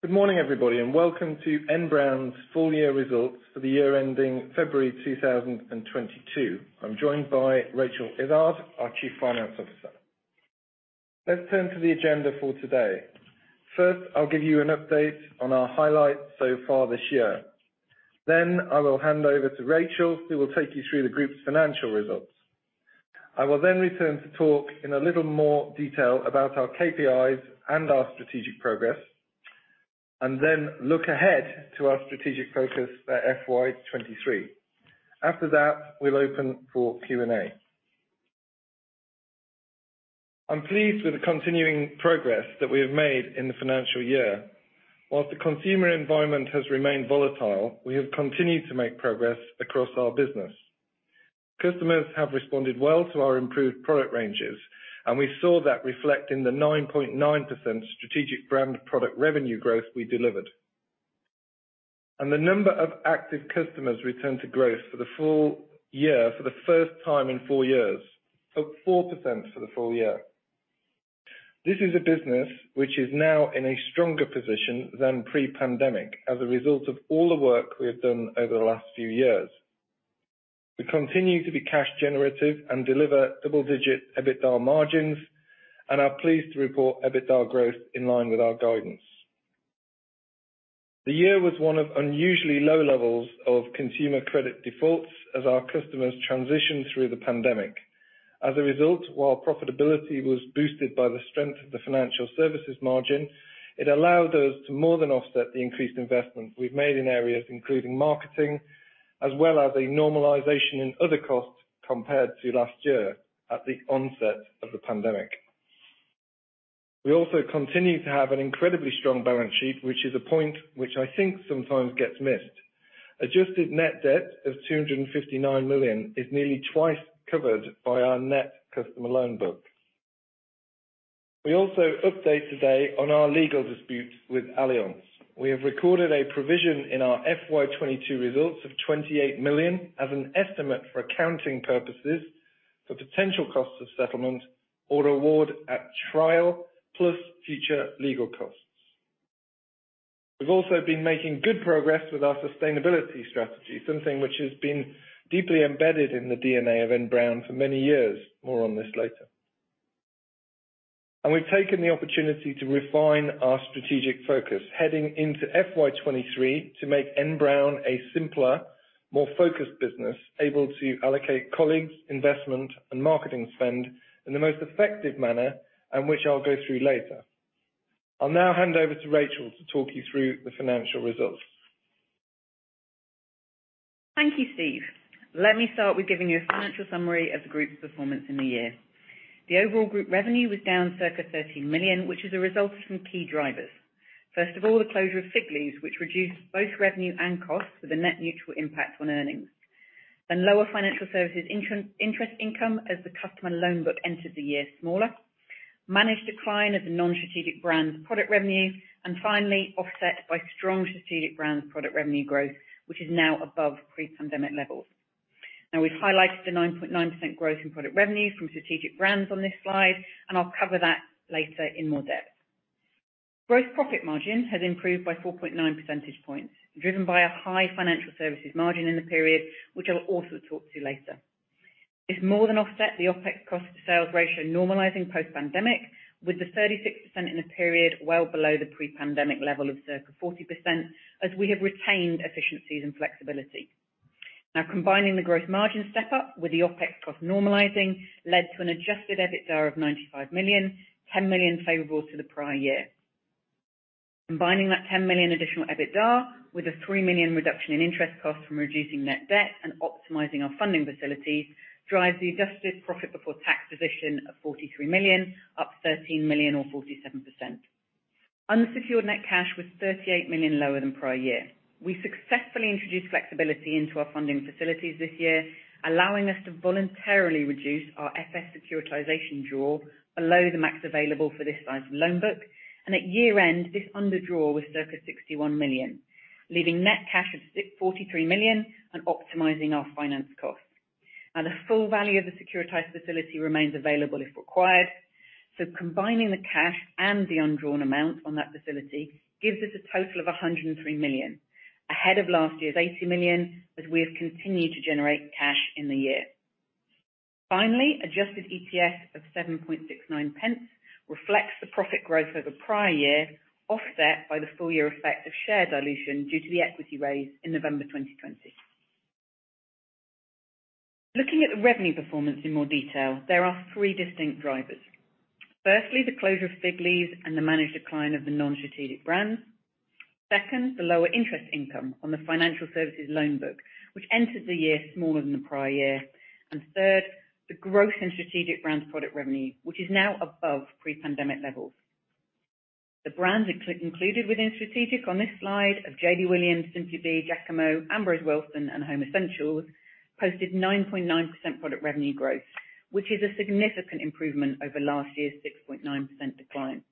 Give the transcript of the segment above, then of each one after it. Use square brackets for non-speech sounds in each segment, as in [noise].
Good morning, everybody, and welcome to N Brown Group's Full Year Results for the year ending February 2022. I'm joined by Rachel Izzard, our Chief Financial Officer. Let's turn to the agenda for today. First, I'll give you an update on our highlights so far this year. Then I will hand over to Rachel, who will take you through the group's financial results. I will then return to talk in a little more detail about our KPIs and our strategic progress, and then look ahead to our strategic focus at FY 2023. After that, we'll open for Q&A. I'm pleased with the continuing progress that we have made in the financial year. While the consumer environment has remained volatile, we have continued to make progress across our business. Customers have responded well to our improved product ranges, and we saw that reflect in the 9.9% strategic brand product revenue growth we delivered. The number of active customers returned to growth for the full year for the first time in four years, up 4% for the full year. This is a business which is now in a stronger position than pre-pandemic as a result of all the work we have done over the last few years. We continue to be cash generative and deliver double-digit EBITDA margins and are pleased to report EBITDA growth in line with our guidance. The year was one of unusually low levels of consumer credit defaults as our customers transitioned through the pandemic. As a result, while profitability was boosted by the strength of the financial services margin, it allowed us to more than offset the increased investments we've made in areas including marketing, as well as a normalization in other costs compared to last year at the onset of the pandemic. We also continue to have an incredibly strong balance sheet, which is a point which I think sometimes gets missed. Adjusted net debt of 259 million is nearly twice covered by our net customer loan book. We also update today on our legal dispute with Allianz. We have recorded a provision in our FY 2022 results of 28 million as an estimate for accounting purposes for potential costs of settlement or award at trial, plus future legal costs. We've also been making good progress with our sustainability strategy, something which has been deeply embedded in the DNA of N Brown for many years. More on this later. We've taken the opportunity to refine our strategic focus heading into FY 2023 to make N Brown a simpler, more focused business, able to allocate colleagues, investment, and marketing spend in the most effective manner, and which I'll go through later. I'll now hand over to Rachel to talk you through the financial results. Thank you, Steve. Let me start with giving you a financial summary of the group's performance in the year. The overall group revenue was down circa 30 million, which is a result of some key drivers. First of all, the closure of Figleaves, which reduced both revenue and costs with a net neutral impact on earnings. Lower financial services net interest income as the customer loan book entered the year smaller. Managed decline of the non-strategic brands product revenue. Finally, offset by strong strategic brands product revenue growth, which is now above pre-pandemic levels. Now, we've highlighted the 9.9% growth in product revenue from strategic brands on this slide, and I'll cover that later in more depth. Gross profit margin has improved by 4.9 percentage points, driven by a high financial services margin in the period, which I'll also talk to later. It's more than offset the OpEx cost/sales ratio normalizing post-pandemic, with the 36% in the period well below the pre-pandemic level of circa 40%, as we have retained efficiencies and flexibility. Now, combining the growth margin step up with the OpEx cost normalizing led to an adjusted EBITDA of 95 million, 10 million favorable to the prior year. Combining that 10 million additional EBITDA with a 3 million reduction in interest costs from reducing net debt and optimizing our funding facilities drives the adjusted profit before tax position of 43 million, up 13 million or 47%. Unsecured net cash was 38 million lower than prior year. We successfully introduced flexibility into our funding facilities this year, allowing us to voluntarily reduce our FS securitization draw below the max available for this size of loan book. At year-end, this undrawn was circa 61 million, leaving net cash of 643 million and optimizing our finance costs. Now, the full value of the securitized facility remains available if required. Combining the cash and the undrawn amount on that facility gives us a total of 103 million, ahead of last year's 80 million, as we have continued to generate cash in the year. Finally, adjusted EPS of 7.69 pence reflects the profit growth over prior year, offset by the full year effect of share dilution due to the equity raise in November 2020. Looking at the revenue performance in more detail, there are three distinct drivers. Firstly, the closure of Figleaves and the managed decline of the non-strategic brands. Second, the lower interest income on the financial services loan book, which entered the year smaller than the prior year. Third, the growth in strategic brands product revenue, which is now above pre-pandemic levels. The brands included within strategic on this slide of JD Williams, Simply Be, Jacamo, Ambrose Wilson, and Home Essentials posted 9.9% product revenue growth, which is a significant improvement over last year's 6.9% decline.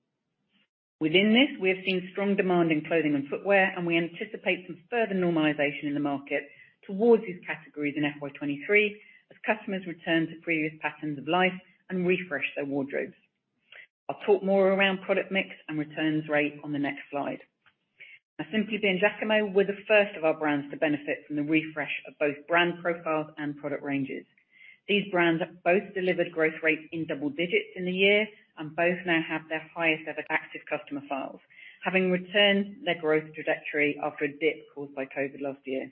Within this, we have seen strong demand in clothing and footwear, and we anticipate some further normalization in the market towards these categories in FY 2023 as customers return to previous patterns of life and refresh their wardrobes. I'll talk more around product mix and returns rate on the next slide. Now Simply Be and Jacamo were the first of our brands to benefit from the refresh of both brand profiles and product ranges. These brands have both delivered growth rates in double digits in the year and both now have their highest ever active customer files, having returned their growth trajectory after a dip caused by COVID last year.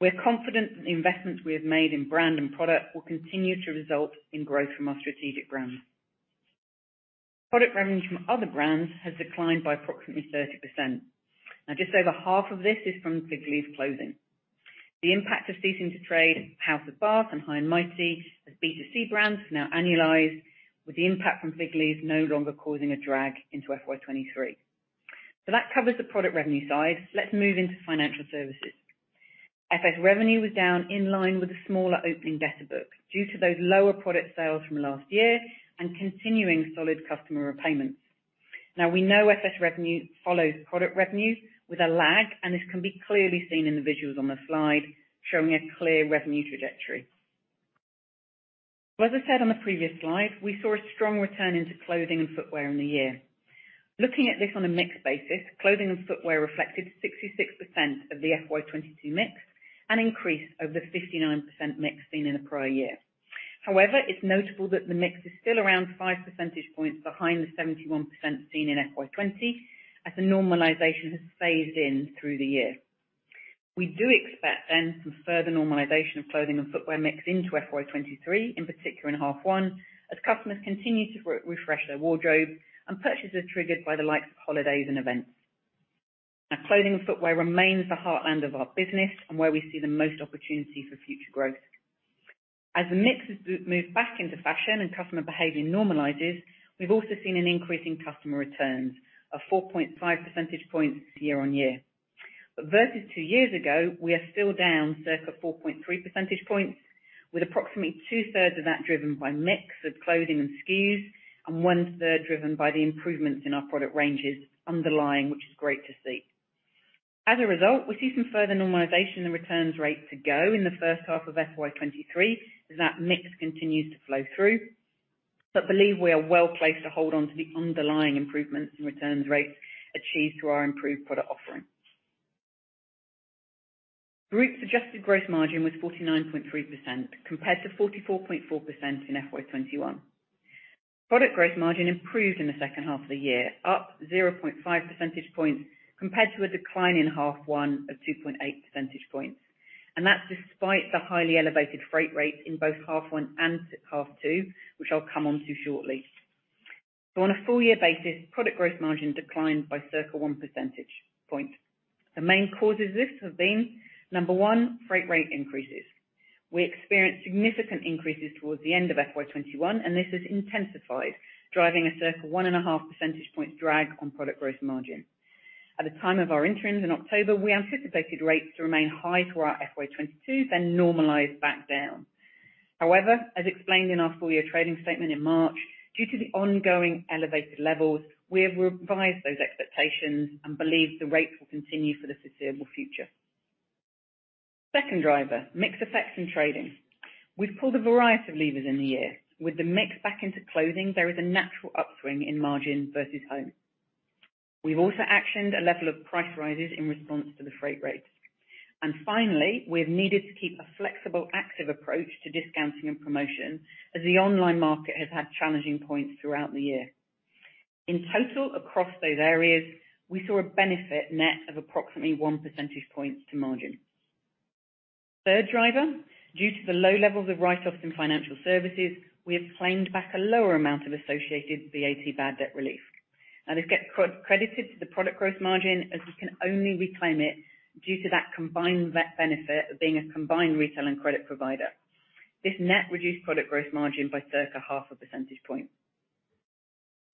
We're confident that the investments we have made in brand and product will continue to result in growth from our strategic brands. Product revenue from other brands has declined by approximately 30%. Now just over half of this is from Figleaves closing. The impact of ceasing to trade House of Bath and High and Mighty as B2C brands now annualize with the impact from Figleaves no longer causing a drag into FY 2023. That covers the product revenue side. Let's move into financial services. FS revenue was down in line with the smaller opening debtor book due to those lower product sales from last year and continuing solid customer repayments. Now we know FS revenue follows product revenue with a lag, and this can be clearly seen in the visuals on the slide showing a clear revenue trajectory. As I said on the previous slide, we saw a strong return into clothing and footwear in the year. Looking at this on a mix basis, clothing and footwear reflected 66% of the FY 2022 mix, an increase over 59% mix seen in the prior year. However, it's notable that the mix is still around five percentage points behind the 71% seen in FY 2020 as the normalization has phased in through the year. We do expect then some further normalization of clothing and footwear mix into FY 2023, in particular in half one, as customers continue to re-refresh their wardrobe and purchases triggered by the likes of holidays and events. Now clothing and footwear remains the heartland of our business and where we see the most opportunity for future growth. As the mix has moved back into fashion and customer behavior normalizes, we've also seen an increase in customer returns of 4.5 percentage points year-on-year. Versus two years ago, we are still down circa 4.3 percentage points, with approximately two-thirds of that driven by mix of clothing and SKUs and one-third driven by the improvements in our product ranges underlying, which is great to see. As a result, we see some further normalization in returns rate to go in the first half of FY 2023 as that mix continues to flow through. Believe we are well-placed to hold on to the underlying improvements in returns rates achieved through our improved product offering. Group's adjusted gross margin was 49.3%, compared to 44.4% in FY 2021. Product gross margin improved in the second half of the year, up 0.5 percentage points compared to a decline in Half One of 2.8 percentage points. That's despite the highly elevated freight rates in both Half One and Half Two, which I'll come onto shortly. On a full year basis, product gross margin declined by circa 1 percentage point. The main causes of this have been, number one, freight rate increases. We experienced significant increases towards the end of FY 2021, and this has intensified, driving a circa 1.5 percentage points drag on product gross margin. At the time of our interims in October, we anticipated rates to remain high throughout FY 2022, then normalize back down. However, as explained in our full year trading statement in March, due to the ongoing elevated levels, we have revised those expectations and believe the rates will continue for the foreseeable future. Second driver, mix effects and trading. We've pulled a variety of levers in the year. With the mix back into clothing, there is a natural upswing in margin versus home. We've also actioned a level of price rises in response to the freight rates. Finally, we've needed to keep a flexible, active approach to discounting and promotion as the online market has had challenging points throughout the year. In total, across those areas, we saw a benefit net of approximately 1 percentage point to margin. Third driver, due to the low levels of write-offs in financial services, we have claimed back a lower amount of associated VAT bad debt relief. This gets credited to the product gross margin as we can only reclaim it due to that combined benefit of being a combined retail and credit provider. This net reduced product gross margin by circa half a percentage point.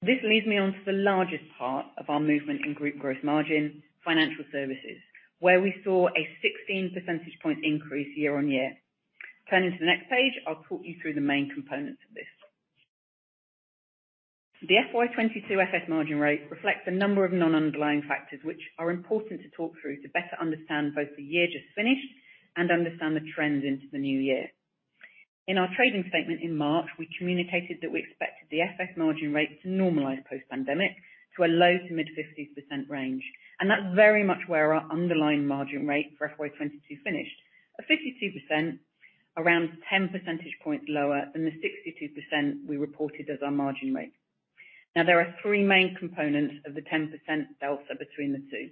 This leads me on to the largest part of our movement in group gross margin, financial services, where we saw a 16 percentage point increase year-on-year. Turning to the next page, I'll talk you through the main components of this. The FY 2022 FS margin rate reflects a number of non-underlying factors which are important to talk through to better understand both the year just finished and understand the trends into the new year. In our trading statement in March, we communicated that we expected the FS margin rate to normalize post-pandemic to a low- to mid-50% range, and that's very much where our underlying margin rate for FY 2022 finished, at 52%, around 10 percentage points lower than the 62% we reported as our margin rate. Now there are three main components of the 10% delta between the two.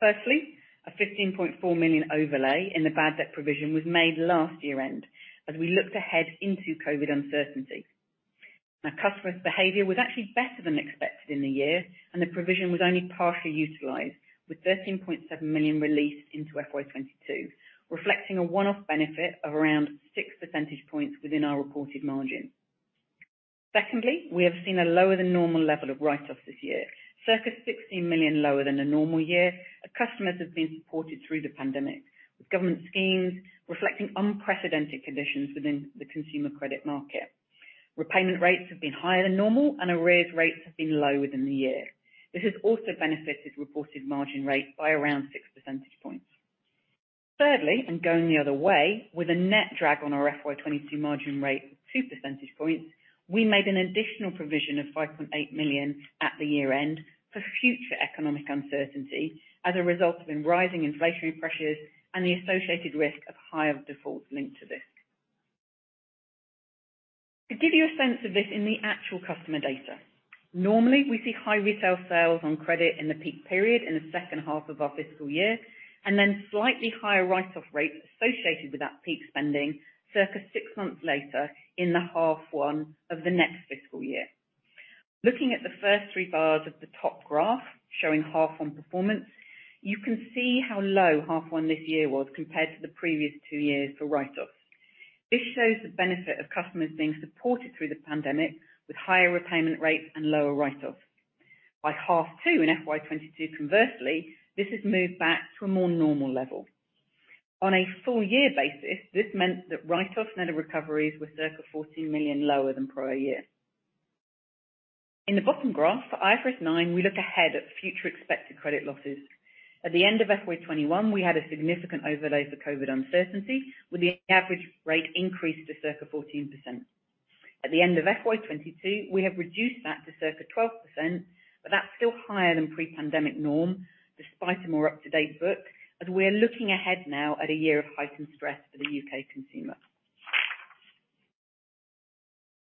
Firstly, a 15.4 million overlay in the bad debt provision was made last year-end as we looked ahead into COVID uncertainty. Now customers' behavior was actually better than expected in the year, and the provision was only partially utilized, with 13.7 million released into FY 2022, reflecting a one-off benefit of around six percentage points within our reported margin. Secondly, we have seen a lower than normal level of write-offs this year. Circa 16 million lower than a normal year as customers have been supported through the pandemic with government schemes reflecting unprecedented conditions within the consumer credit market. Repayment rates have been higher than normal and arrears rates have been low within the year. This has also benefited reported margin rates by around 6 percentage points. Thirdly, and going the other way, with a net drag on our FY 2022 margin rate, two percentage points, we made an additional provision of 5.8 million at the year-end for future economic uncertainty as a result of rising inflationary pressures and the associated risk of higher defaults linked to this. To give you a sense of this in the actual customer data, normally we see high retail sales on credit in the peak period in the second half of our fiscal year, and then slightly higher write-off rates associated with that peak spending circa six months later in the Half One of the next fiscal year. Looking at the first three bars of the top graph showing Half One performance, you can see how low Half One this year was compared to the previous two years for write-offs. This shows the benefit of customers being supported through the pandemic with higher repayment rates and lower write-offs. By Half Two in FY 2022 conversely, this has moved back to a more normal level. On a full year basis, this meant that write-offs net of recoveries were circa 40 million lower than prior year. In the bottom graph for IFRS 9, we look ahead at future expected credit losses. At the end of FY 2021, we had a significant overlay for COVID uncertainty with the average rate increase to circa 14%. At the end of FY 2022, we have reduced that to circa 12%, but that's still higher than pre-pandemic norm despite a more up-to-date book, as we are looking ahead now at a year of heightened stress for the U.K. consumer.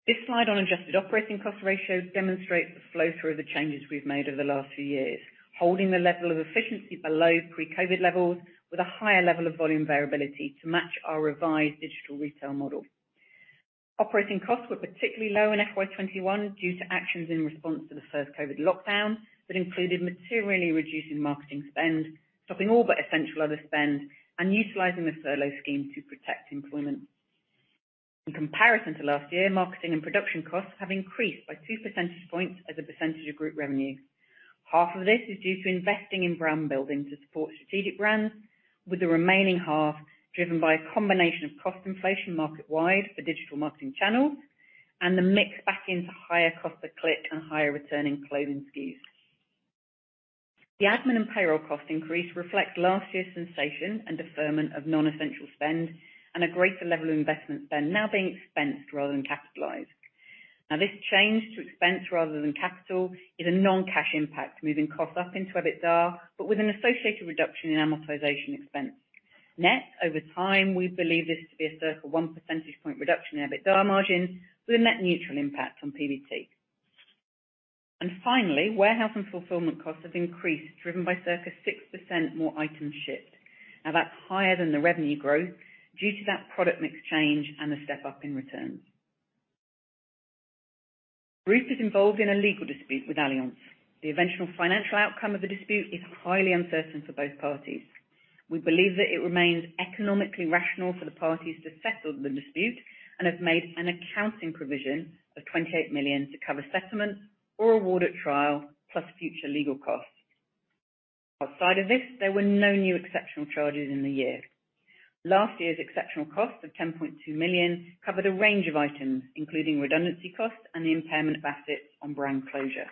This slide on adjusted operating cost ratio demonstrates the flow through of the changes we've made over the last few years. Holding the level of efficiency below pre-COVID levels with a higher level of volume variability to match our revised digital retail model. Operating costs were particularly low in FY 2021 due to actions in response to the first COVID lockdown, that included materially reducing marketing spend, stopping all but essential other spend, and utilizing the furlough scheme to protect employment. In comparison to last year, marketing and production costs have increased by 2 percentage points as a percentage of group revenue. Half of this is due to investing in brand building to support strategic brands, with the remaining half driven by a combination of cost inflation market-wide for digital marketing channels and the mix back into higher cost per click and higher returning clothing SKUs. The admin and payroll cost increase reflect last year's suspension and deferment of non-essential spend and a greater level of investment spend now being expensed rather than capitalized. Now this change to expense rather than capital is a non-cash impact, moving costs up into EBITDA, but with an associated reduction in amortization expense. Net, over time, we believe this to be a circa 1 percentage point reduction in EBITDA margin with a net neutral impact on PBT. Finally, warehouse and fulfillment costs have increased, driven by circa 6% more items shipped. Now that's higher than the revenue growth due to that product mix change and the step-up in returns. Group is involved in a legal dispute with Allianz. The eventual financial outcome of the dispute is highly uncertain for both parties. We believe that it remains economically rational for the parties to settle the dispute and have made an accounting provision of 28 million to cover settlement or award at trial, plus future legal costs. Outside of this, there were no new exceptional charges in the year. Last year's exceptional cost of 10.2 million covered a range of items, including redundancy costs and the impairment of assets on brand closure.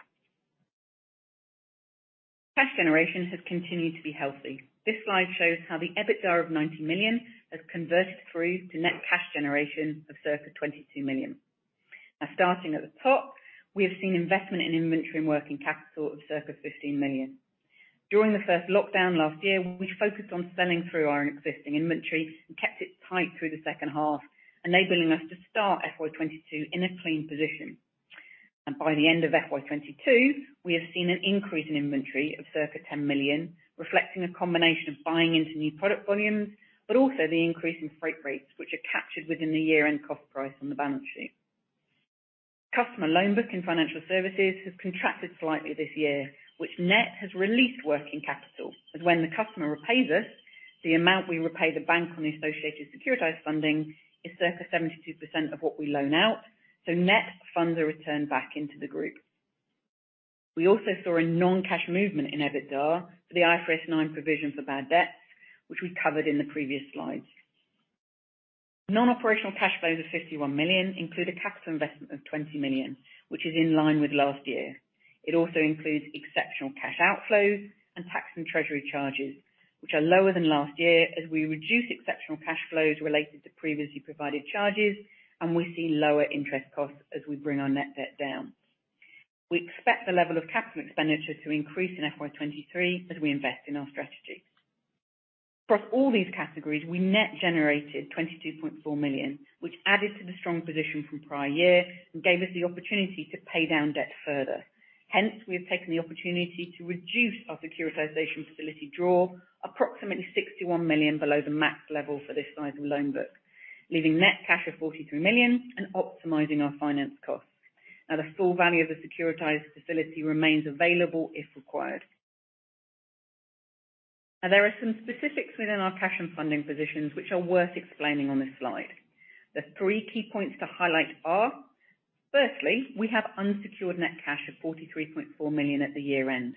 Cash generation has continued to be healthy. This slide shows how the EBITDA of 90 million has converted through to net cash generation of circa 22 million. Now starting at the top, we have seen investment in inventory and working capital of circa 15 million. During the first lockdown last year, we focused on selling through our existing inventory and kept it tight through the second half, enabling us to start FY 2022 in a clean position. By the end of FY 2022, we have seen an increase in inventory of circa 10 million, reflecting a combination of buying into new product volumes, but also the increase in freight rates, which are captured within the year-end cost price on the balance sheet. Customer loan book and financial services have contracted slightly this year, which net has released working capital, as when the customer repays us, the amount we repay the bank on the associated securitized funding is circa 72% of what we loan out. Net funds are returned back into the group. We also saw a non-cash movement in EBITDA for the IFRS 9 provision for bad debts, which we covered in the previous slides. Non-operational cash flows of 51 million include a capital investment of 20 million, which is in line with last year. It also includes exceptional cash outflows and tax and treasury charges, which are lower than last year as we reduce exceptional cash flows related to previously provided charges, and we see lower interest costs as we bring our net debt down. We expect the level of capital expenditure to increase in FY 2023 as we invest in our strategy. Across all these categories, we net generated 22.4 million, which added to the strong position from prior year and gave us the opportunity to pay down debt further. Hence, we have taken the opportunity to reduce our securitization facility draw approximately 61 million below the max level for this size of loan book, leaving net cash of 43 million and optimizing our finance costs. Now the full value of the securitized facility remains available if required. Now there are some specifics within our cash and funding positions which are worth explaining on this slide. The three key points to highlight are. Firstly, we have unsecured net cash of 43.4 million at the year-end.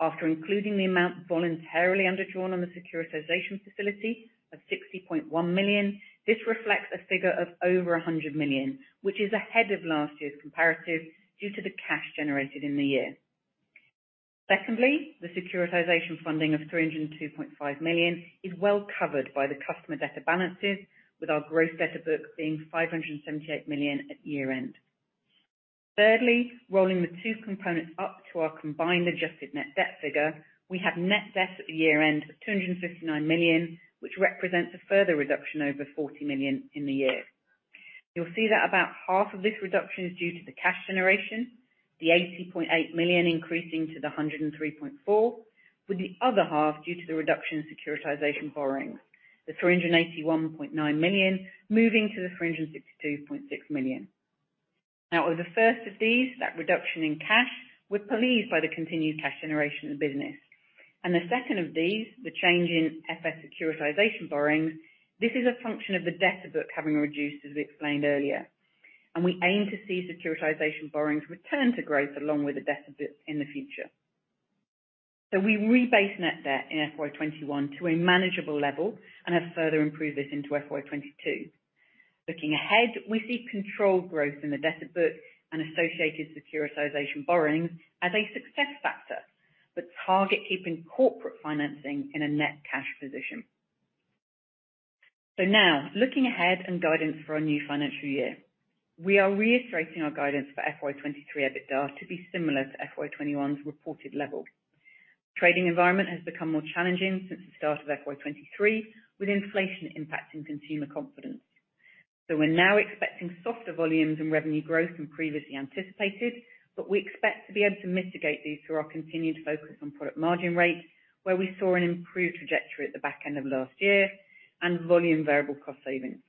After including the amount voluntarily undrawn on the securitization facility of 60.1 million, this reflects a figure of over 100 million, which is ahead of last year's comparative due to the cash generated in the year. Secondly, the securitization funding of 302.5 million is well covered by the customer debtor balances with our gross debtor book being 578 million at year-end. Thirdly, rolling the two components up to our combined adjusted net debt figure, we have net debt at the year end of 259 million, which represents a further reduction over 40 million in the year. You'll see that about half of this reduction is due to the cash generation, the 80.8 million increasing to the 103.4 million, with the other half due to the reduction in securitization borrowings. The 381.9 million moving to the 362.6 million. Now, with the first of these, that reduction in cash, we're pleased by the continued cash generation of the business. The second of these, the change in FS securitization borrowings, this is a function of the debtor book having reduced, as we explained earlier. We aim to see securitization borrowings return to growth along with the debtor book in the future. We rebased net debt in FY 2021 to a manageable level and have further improved this into F 2022. Looking ahead, we see controlled growth in the debtor book and associated securitization borrowings as a success factor, but target keeping corporate financing in a net cash position. Now looking ahead and guidance for our new financial year. We are reiterating our guidance for FY 2023 EBITDA to be similar to FY 2021's reported level. Trading environment has become more challenging since the start of FY 2023, with inflation impacting consumer confidence. We're now expecting softer volumes and revenue growth than previously anticipated, but we expect to be able to mitigate these through our continued focus on product margin rates, where we saw an improved trajectory at the back end of last year and volume variable cost savings.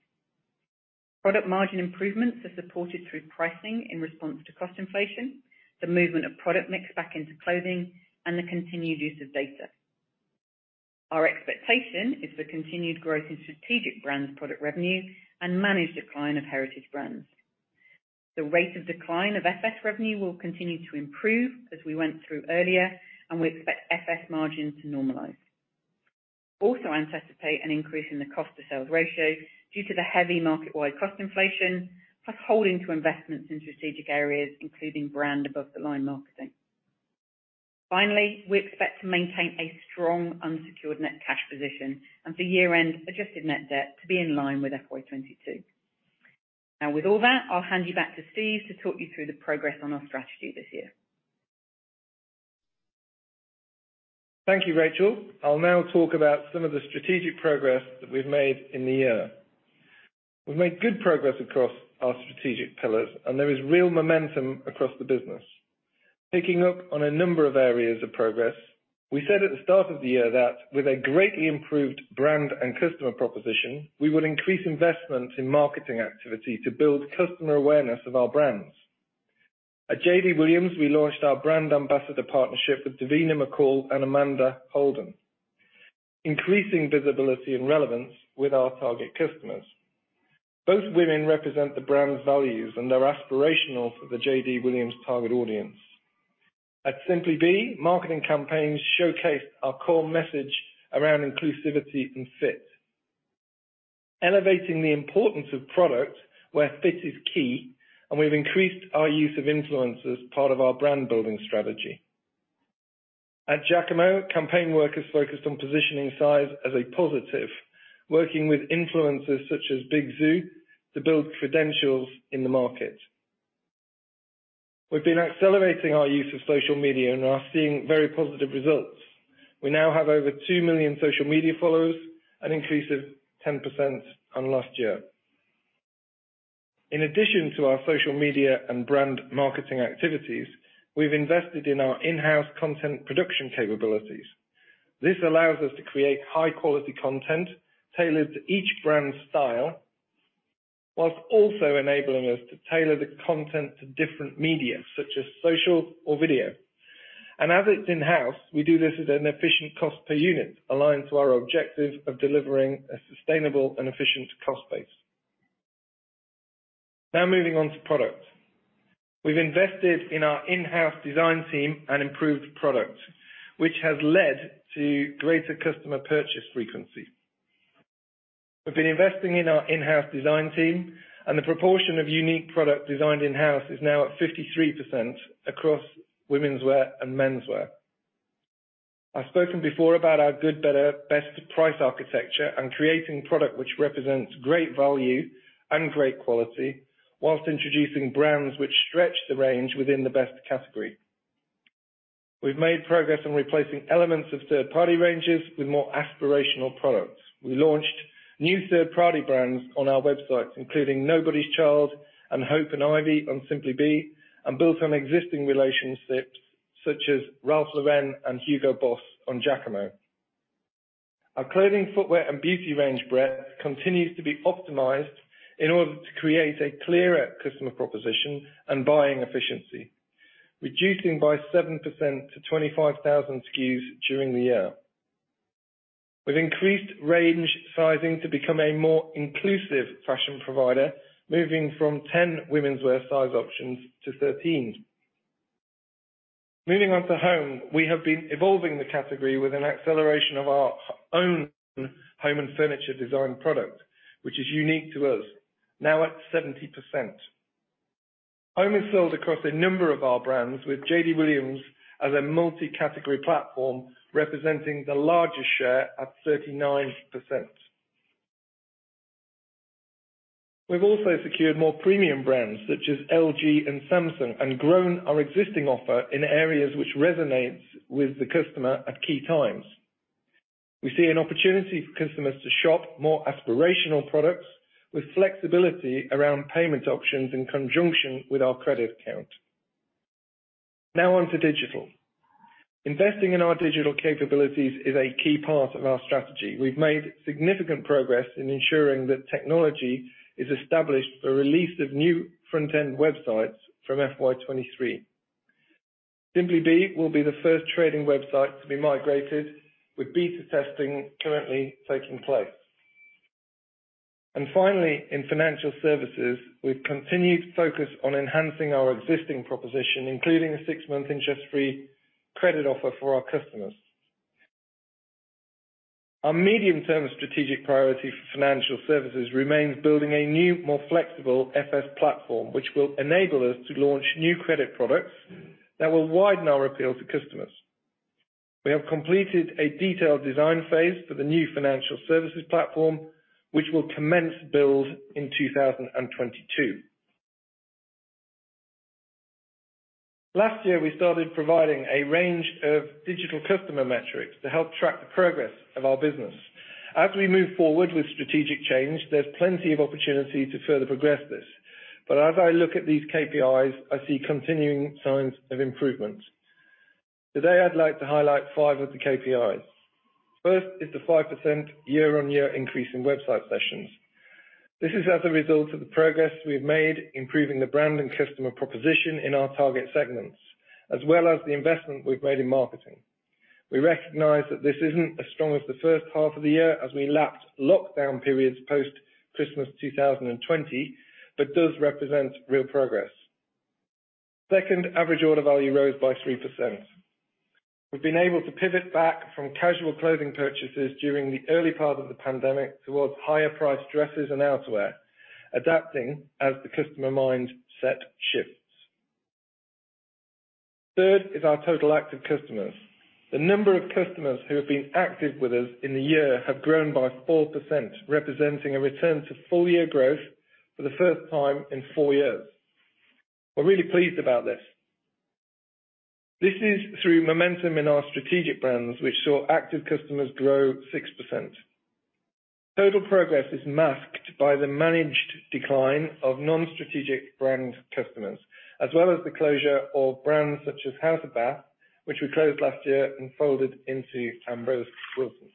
Product margin improvements are supported through pricing in response to cost inflation, the movement of product mix back into clothing, and the continued use of data. Our expectation is for continued growth in strategic brands product revenue and managed decline of heritage brands. The rate of decline of FS revenue will continue to improve as we went through earlier, and we expect FS margin to normalize. Also anticipate an increase in the cost to sales ratio due to the heavy market-wide cost inflation, plus holding to investments in strategic areas, including brand above the line marketing. Finally, we expect to maintain a strong unsecured net cash position and for year-end adjusted net debt to be in line with FY 2022. Now, with all that, I'll hand you back to Steve to talk you through the progress on our strategy this year. Thank you, Rachel. I'll now talk about some of the strategic progress that we've made in the year. We've made good progress across our strategic pillars, and there is real momentum across the business. Picking up on a number of areas of progress, we said at the start of the year that with a greatly improved brand and customer proposition, we would increase investment in marketing activity to build customer awareness of our brands. At JD Williams, we launched our brand ambassador partnership with Davina McCall and Amanda Holden, increasing visibility and relevance with our target customers. Both women represent the brand's values, and they're aspirational for the JD Williams target audience. At Simply Be, marketing campaigns showcased our core message around inclusivity and fit, elevating the importance of product where fit is key, and we've increased our use of influencers part of our brand-building strategy. At Jacamo, campaign work is focused on positioning size as a positive, working with influencers such as Big Zuu to build credentials in the market. We've been accelerating our use of social media and are seeing very positive results. We now have over 2 million social media followers, an increase of 10% on last year. In addition to our social media and brand marketing activities, we've invested in our in-house content production capabilities. This allows us to create high-quality content tailored to each brand's style, while also enabling us to tailor the content to different media, such as social or video. As it's in-house, we do this at an efficient cost per unit, aligned to our objective of delivering a sustainable and efficient cost base. Now moving on to product. We've invested in our in-house design team and improved product, which has led to greater customer purchase frequency. We've been investing in our in-house design team, and the proportion of unique product designed in-house is now at 53% across womenswear and menswear. I've spoken before about our good, better, best price architecture and creating product which represents great value and great quality while introducing brands which stretch the range within the best category. We've made progress in replacing elements of third-party ranges with more aspirational products. We launched new third-party brands on our website, including Nobody's Child and Hope and Ivy on Simply Be, and built on existing relationships such as Ralph Lauren and Hugo Boss on Jacamo. Our clothing, footwear, and beauty range breadth continues to be optimized in order to create a clearer customer proposition and buying efficiency, reducing by 7% to 25,000 SKUs during the year. We've increased range sizing to become a more inclusive fashion provider, moving from 10 womenswear size options to 13. Moving on to home, we have been evolving the category with an acceleration of our own home and furniture design product, which is unique to us now at 70%. Home is sold across a number of our brands with JD Williams as a multi-category platform, representing the largest share at 39%. We've also secured more premium brands such as LG and Samsung, and grown our existing offer in areas which resonates with the customer at key times. We see an opportunity for customers to shop more aspirational products with flexibility around payment options in conjunction with our credit account. Now on to digital. Investing in our digital capabilities is a key part of our strategy. We've made significant progress in ensuring that technology is established for release of new front-end websites from FY 2023. Simply Be will be the first trading website to be migrated with beta testing currently taking place. Finally, in financial services, we've continued focus on enhancing our existing proposition, including the six-month interest-free credit offer for our customers. Our medium-term strategic priority for financial services remains building a new, more flexible FS platform, which will enable us to launch new credit products that will widen our appeal to customers. We have completed a detailed design phase for the new financial services platform, which will commence build in 2022. Last year, we started providing a range of digital customer metrics to help track the progress of our business. As we move forward with strategic change, there's plenty of opportunity to further progress this. As I look at these KPIs, I see continuing signs of improvement. Today, I'd like to highlight five of the KPIs. First is the 5% year-on-year increase in website sessions. This is as a result of the progress we've made improving the brand and customer proposition in our target segments, as well as the investment we've made in marketing. We recognize that this isn't as strong as the first half of the year as we lacked lockdown periods post-Christmas 2020, but does represent real progress. Second, average order value rose by 3%. We've been able to pivot back from casual clothing purchases during the early part of the pandemic towards higher priced dresses and outerwear, adapting as the customer mindset shifts. Third is our total active customers. The number of customers who have been active with us in the year have grown by 4%, representing a return to full-year growth for the first time in four years. We're really pleased about this. This is through momentum in our strategic brands, which saw active customers grow 6%. Total progress is masked by the managed decline of non-strategic brand customers, as well as the closure of brands such as House of Bath, which we closed last year and folded into Ambrose Wilson.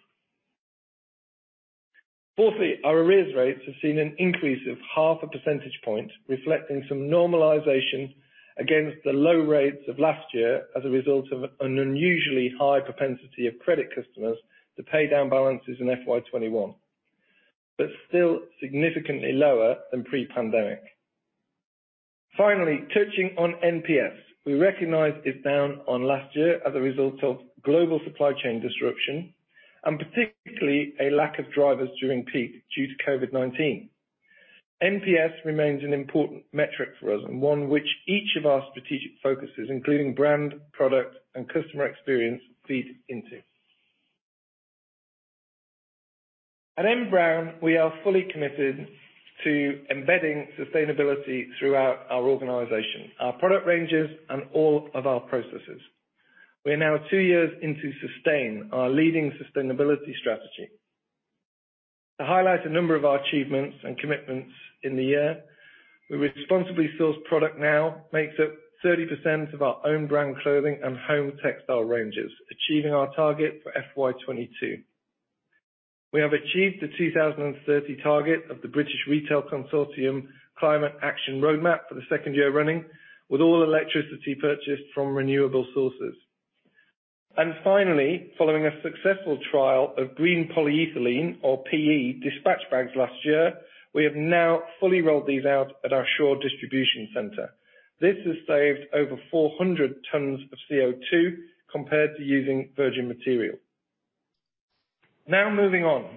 Fourthly, our arrears rates have seen an increase of half a percentage point, reflecting some normalization against the low rates of last year as a result of an unusually high propensity of credit customers to pay down balances in FY 2021, but still significantly lower than pre-pandemic. Finally, touching on NPS, we recognize it's down on last year as a result of global supply chain disruption, and particularly a lack of drivers during peak due to COVID-19. NPS remains an important metric for us, and one which each of our strategic focuses, including brand, product, and customer experience feed into. At N Brown, we are fully committed to embedding sustainability throughout our organization, our product ranges, and all of our processes. We are now two years into SUSTAIN, our leading sustainability strategy. To highlight a number of our achievements and commitments in the year, we responsibly sourced product now makes up 30% of our own brand clothing and home textile ranges, achieving our target for FY 2022. We have achieved the 2030 target of the British Retail Consortium Climate Action Roadmap for the second year running, with all electricity purchased from renewable sources. Finally, following a successful trial of green polyethylene or PE dispatch bags last year, we have now fully rolled these out at our Shaw distribution center. This has saved over 400 tons of CO₂ compared to using virgin material. Now moving on.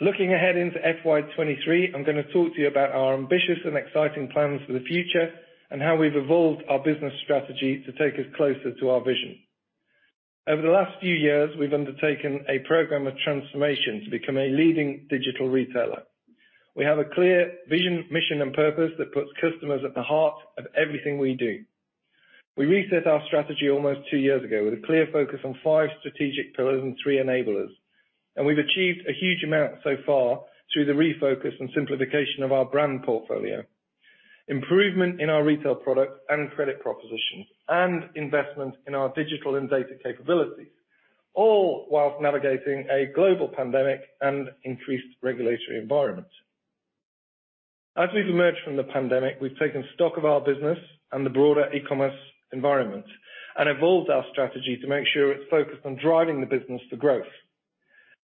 Looking ahead into FY 2023, I'm gonna talk to you about our ambitious and exciting plans for the future and how we've evolved our business strategy to take us closer to our vision. Over the last few years, we've undertaken a program of transformation to become a leading digital retailer. We have a clear vision, mission, and purpose that puts customers at the heart of everything we do. We reset our strategy almost two years ago with a clear focus on five strategic pillars and three enablers, and we've achieved a huge amount so far through the refocus and simplification of our brand portfolio, improvement in our retail product and credit proposition, and investment in our digital and data capabilities, all while navigating a global pandemic and increased regulatory environment. We've emerged from the pandemic, we've taken stock of our business and the broader e-commerce environment and evolved our strategy to make sure it's focused on driving the business for growth.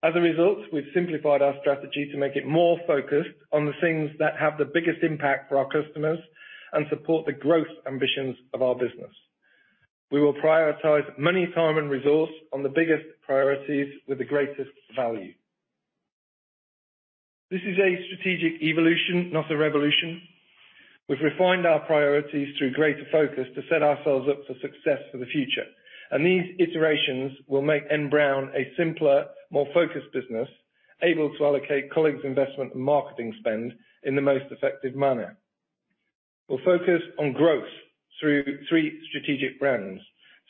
As a result, we've simplified our strategy to make it more focused on the things that have the biggest impact for our customers and support the growth ambitions of our business. We will prioritize money, time, and resource on the biggest priorities with the greatest value. This is a strategic evolution, not a revolution. We've refined our priorities through greater focus to set ourselves up for success for the future, and these iterations will make N Brown a simpler, more focused business, able to allocate colleagues' investment and marketing spend in the most effective manner. We'll focus on growth through three strategic brands: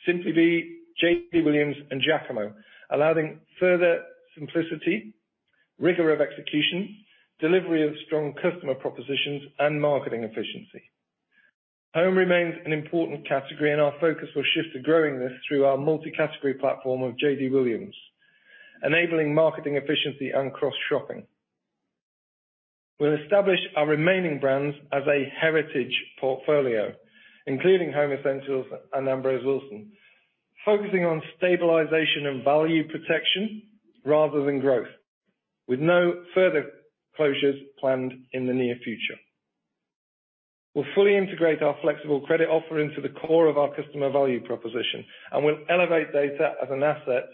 Simply Be, JD Williams and Jacamo, allowing further simplicity, rigor of execution, delivery of strong customer propositions, and marketing efficiency. Home remains an important category, and our focus will shift to growing this through our multi-category platform of JD Williams, enabling marketing efficiency and cross-shopping. We'll establish our remaining brands as a heritage portfolio, including Home Essentials and Ambrose Wilson, focusing on stabilization and value protection rather than growth, with no further closures planned in the near future. We'll fully integrate our flexible credit offering to the core of our customer value proposition, and we'll elevate data as an asset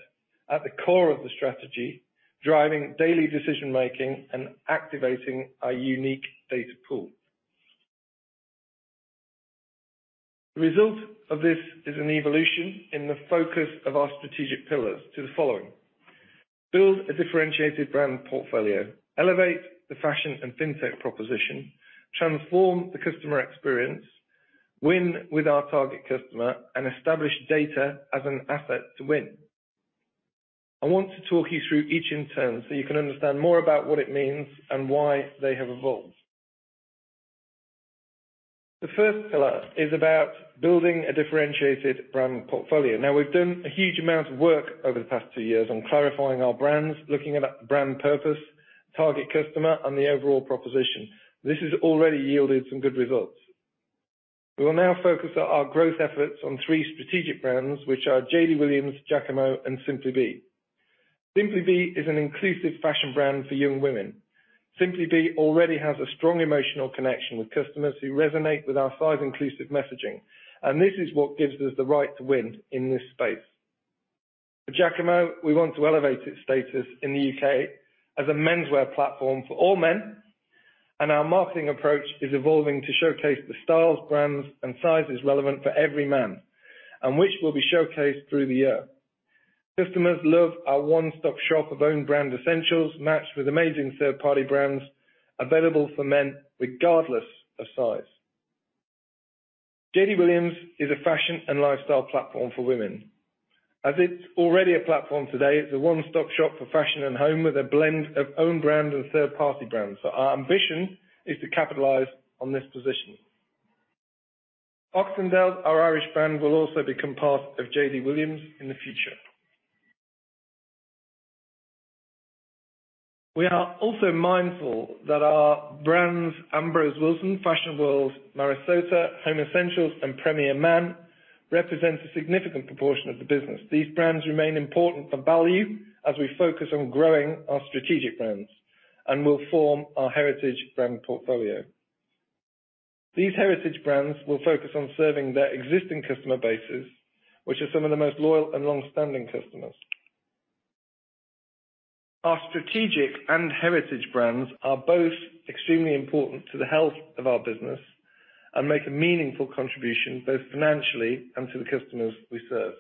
at the core of the strategy, driving daily decision-making and activating our unique data pool. The result of this is an evolution in the focus of our strategic pillars to the following. Build a differentiated brand portfolio, elevate the fashion and fintech proposition, transform the customer experience, win with our target customer, and establish data as an asset to win. I want to talk you through each in turn so you can understand more about what it means and why they have evolved. The first pillar is about building a differentiated brand portfolio. Now, we've done a huge amount of work over the past two years on clarifying our brands, looking at brand purpose, target customer, and the overall proposition. This has already yielded some good results. We will now focus our growth efforts on three strategic brands, which are JD Williams, Jacamo, and Simply Be. Simply Be is an inclusive fashion brand for young women. Simply Be already has a strong emotional connection with customers who resonate with our size inclusive messaging, and this is what gives us the right to win in this space. For Jacamo, we want to elevate its status in the U.K. as a menswear platform for all men, and our marketing approach is evolving to showcase the styles, brands, and sizes relevant for every man and which will be showcased through the year. Customers love our one-stop shop of own brand essentials matched with amazing third-party brands available for men regardless of size. JD Williams is a fashion and lifestyle platform for women. As it's already a platform today, it's a one-stop shop for fashion and home with a blend of own brand and third-party brands. Our ambition is to capitalize on this position. Oxendales, our Irish brand, will also become part of JD Williams in the future. We are also mindful that our brands, Ambrose Wilson, Fashion World, Marisota, Home Essentials, and Premier Man, represent a significant proportion of the business. These brands remain important for value as we focus on growing our strategic brands and will form our heritage brand portfolio. These heritage brands will focus on serving their existing customer bases, which are some of the most loyal and long-standing customers. Our strategic and heritage brands are both extremely important to the health of our business and make a meaningful contribution, both financially and to the customers we serve.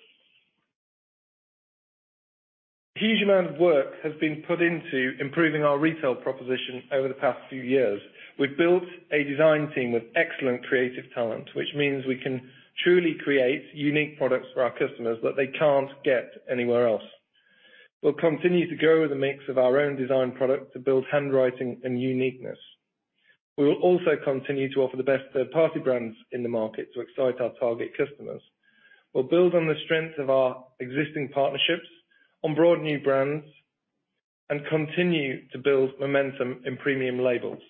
A huge amount of work has been put into improving our retail proposition over the past few years. We've built a design team with excellent creative talent, which means we can truly create unique products for our customers that they can't get anywhere else. We'll continue to grow the mix of our own design product to build handwriting and uniqueness. We will also continue to offer the best third-party brands in the market to excite our target customers. We'll build on the strength of our existing partnerships on broad new brands and continue to build momentum in premium labels.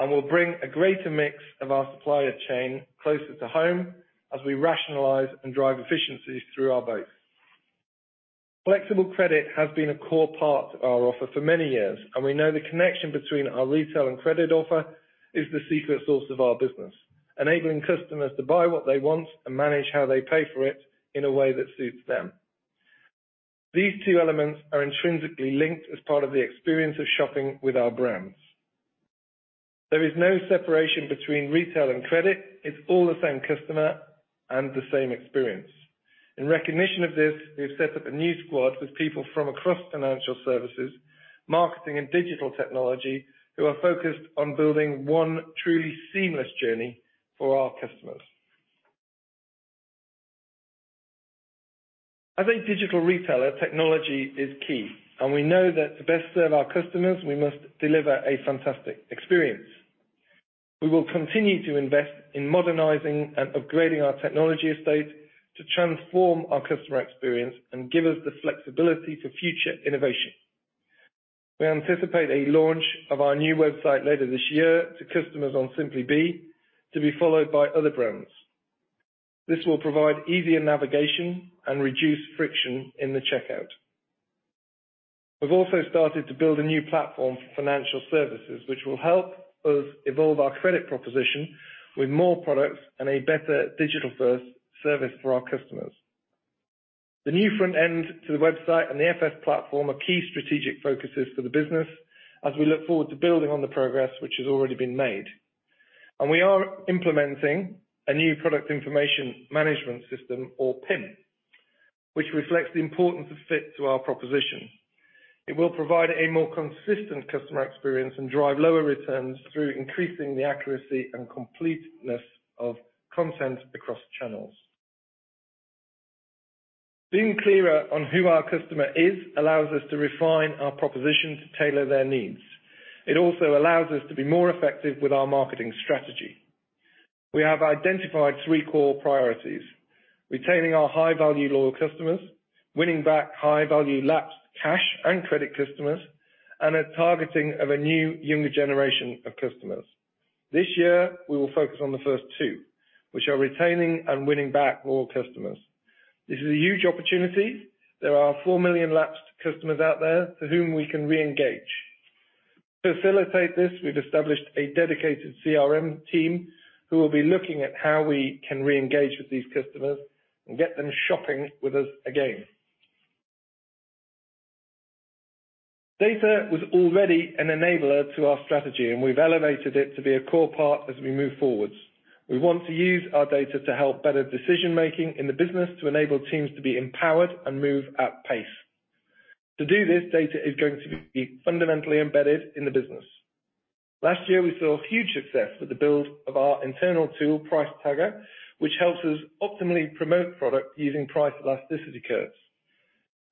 We'll bring a greater mix of our supplier chain closer to home as we rationalize and drive efficiencies through our base. Flexible credit has been a core part of our offer for many years, and we know the connection between our retail and credit offer is the secret source of our business, enabling customers to buy what they want and manage how they pay for it in a way that suits them. These two elements are intrinsically linked as part of the experience of shopping with our brands. There is no separation between retail and credit. It's all the same customer and the same experience. In recognition of this, we've set up a new squad with people from across financial services, marketing and digital technology who are focused on building one truly seamless journey for our customers. As a digital retailer, technology is key, and we know that to best serve our customers, we must deliver a fantastic experience. We will continue to invest in modernizing and upgrading our technology estate to transform our customer experience and give us the flexibility for future innovation. We anticipate a launch of our new website later this year to customers on Simply Be to be followed by other brands. This will provide easier navigation and reduce friction in the checkout. We've also started to build a new platform for financial services, which will help us evolve our credit proposition with more products and a better digital first service for our customers. The new front end to the website and the FS platform are key strategic focuses for the business as we look forward to building on the progress which has already been made. We are implementing a new product information management system or PIM, which reflects the importance of fit to our proposition. It will provide a more consistent customer experience and drive lower returns through increasing the accuracy and completeness of content across channels. Being clearer on who our customer is allows us to refine our proposition to tailor their needs. It also allows us to be more effective with our marketing strategy. We have identified three core priorities, retaining our high-value loyal customers, winning back high-value lapsed cash and credit customers, and a targeting of a new younger generation of customers. This year, we will focus on the first two, which are retaining and winning back all customers. This is a huge opportunity. There are 4 million lapsed customers out there to whom we can reengage. To facilitate this, we've established a dedicated CRM team who will be looking at how we can reengage with these customers and get them shopping with us again. Data was already an enabler to our strategy, and we've elevated it to be a core part as we move forward. We want to use our data to help better decision making in the business to enable teams to be empowered and move at pace. To do this, data is going to be fundamentally embedded in the business. Last year, we saw huge success with the build of our internal tool, Price Tagger, which helps us optimally promote product using price elasticity curves.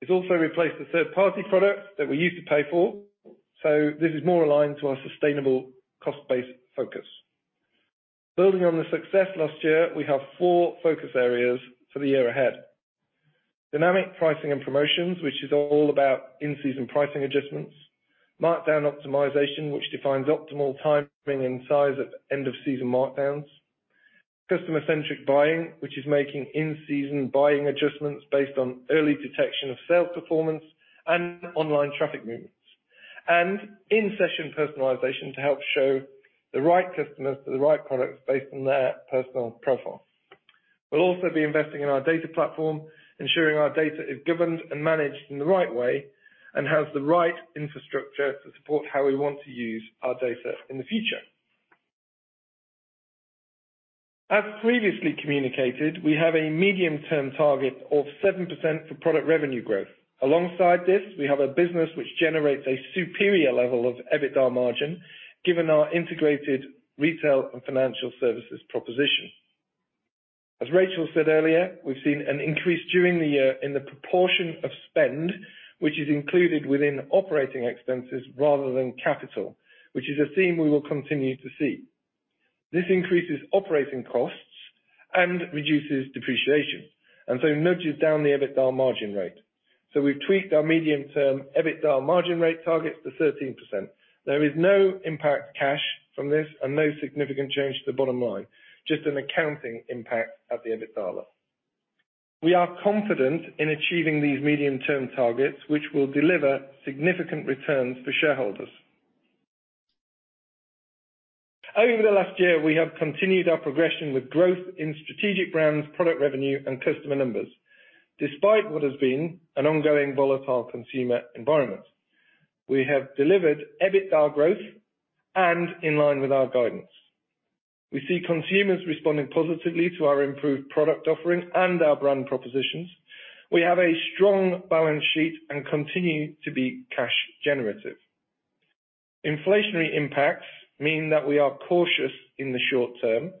It's also replaced the third-party product that we used to pay for, so this is more aligned to our sustainable cost base focus. Building on the success last year, we have four focus areas for the year ahead. Dynamic pricing and promotions, which is all about in-season pricing adjustments. Markdown optimization, which defines optimal timing and size of end-of-season markdowns. Customer-centric buying, which is making in-season buying adjustments based on early detection of sales performance and online traffic movements. In-session personalization to help show the right customers to the right products based on their personal profile. We'll also be investing in our data platform, ensuring our data is governed and managed in the right way and has the right infrastructure to support how we want to use our data in the future. As previously communicated, we have a medium-term target of 7% for product revenue growth. Alongside this, we have a business which generates a superior level of EBITDA margin given our integrated retail and financial services proposition. As Rachel said earlier, we've seen an increase during the year in the proportion of spend, which is included within operating expenses rather than capital, which is a theme we will continue to see. This increases operating costs and reduces depreciation, and so nudges down the EBITDA margin rate. We've tweaked our medium term EBITDA margin rate target to 13%. There is no impact to cash from this and no significant change to the bottom line, just an accounting impact at the EBITDA level. We are confident in achieving these medium-term targets, which will deliver significant returns for shareholders. Over the last year, we have continued our progression with growth in strategic brands, product revenue, and customer numbers, despite what has been an ongoing volatile consumer environment. We have delivered EBITDA growth and in line with our guidance. We see consumers responding positively to our improved product offering and our brand propositions. We have a strong balance sheet and continue to be cash generative. Inflationary impacts mean that we are cautious in the short term,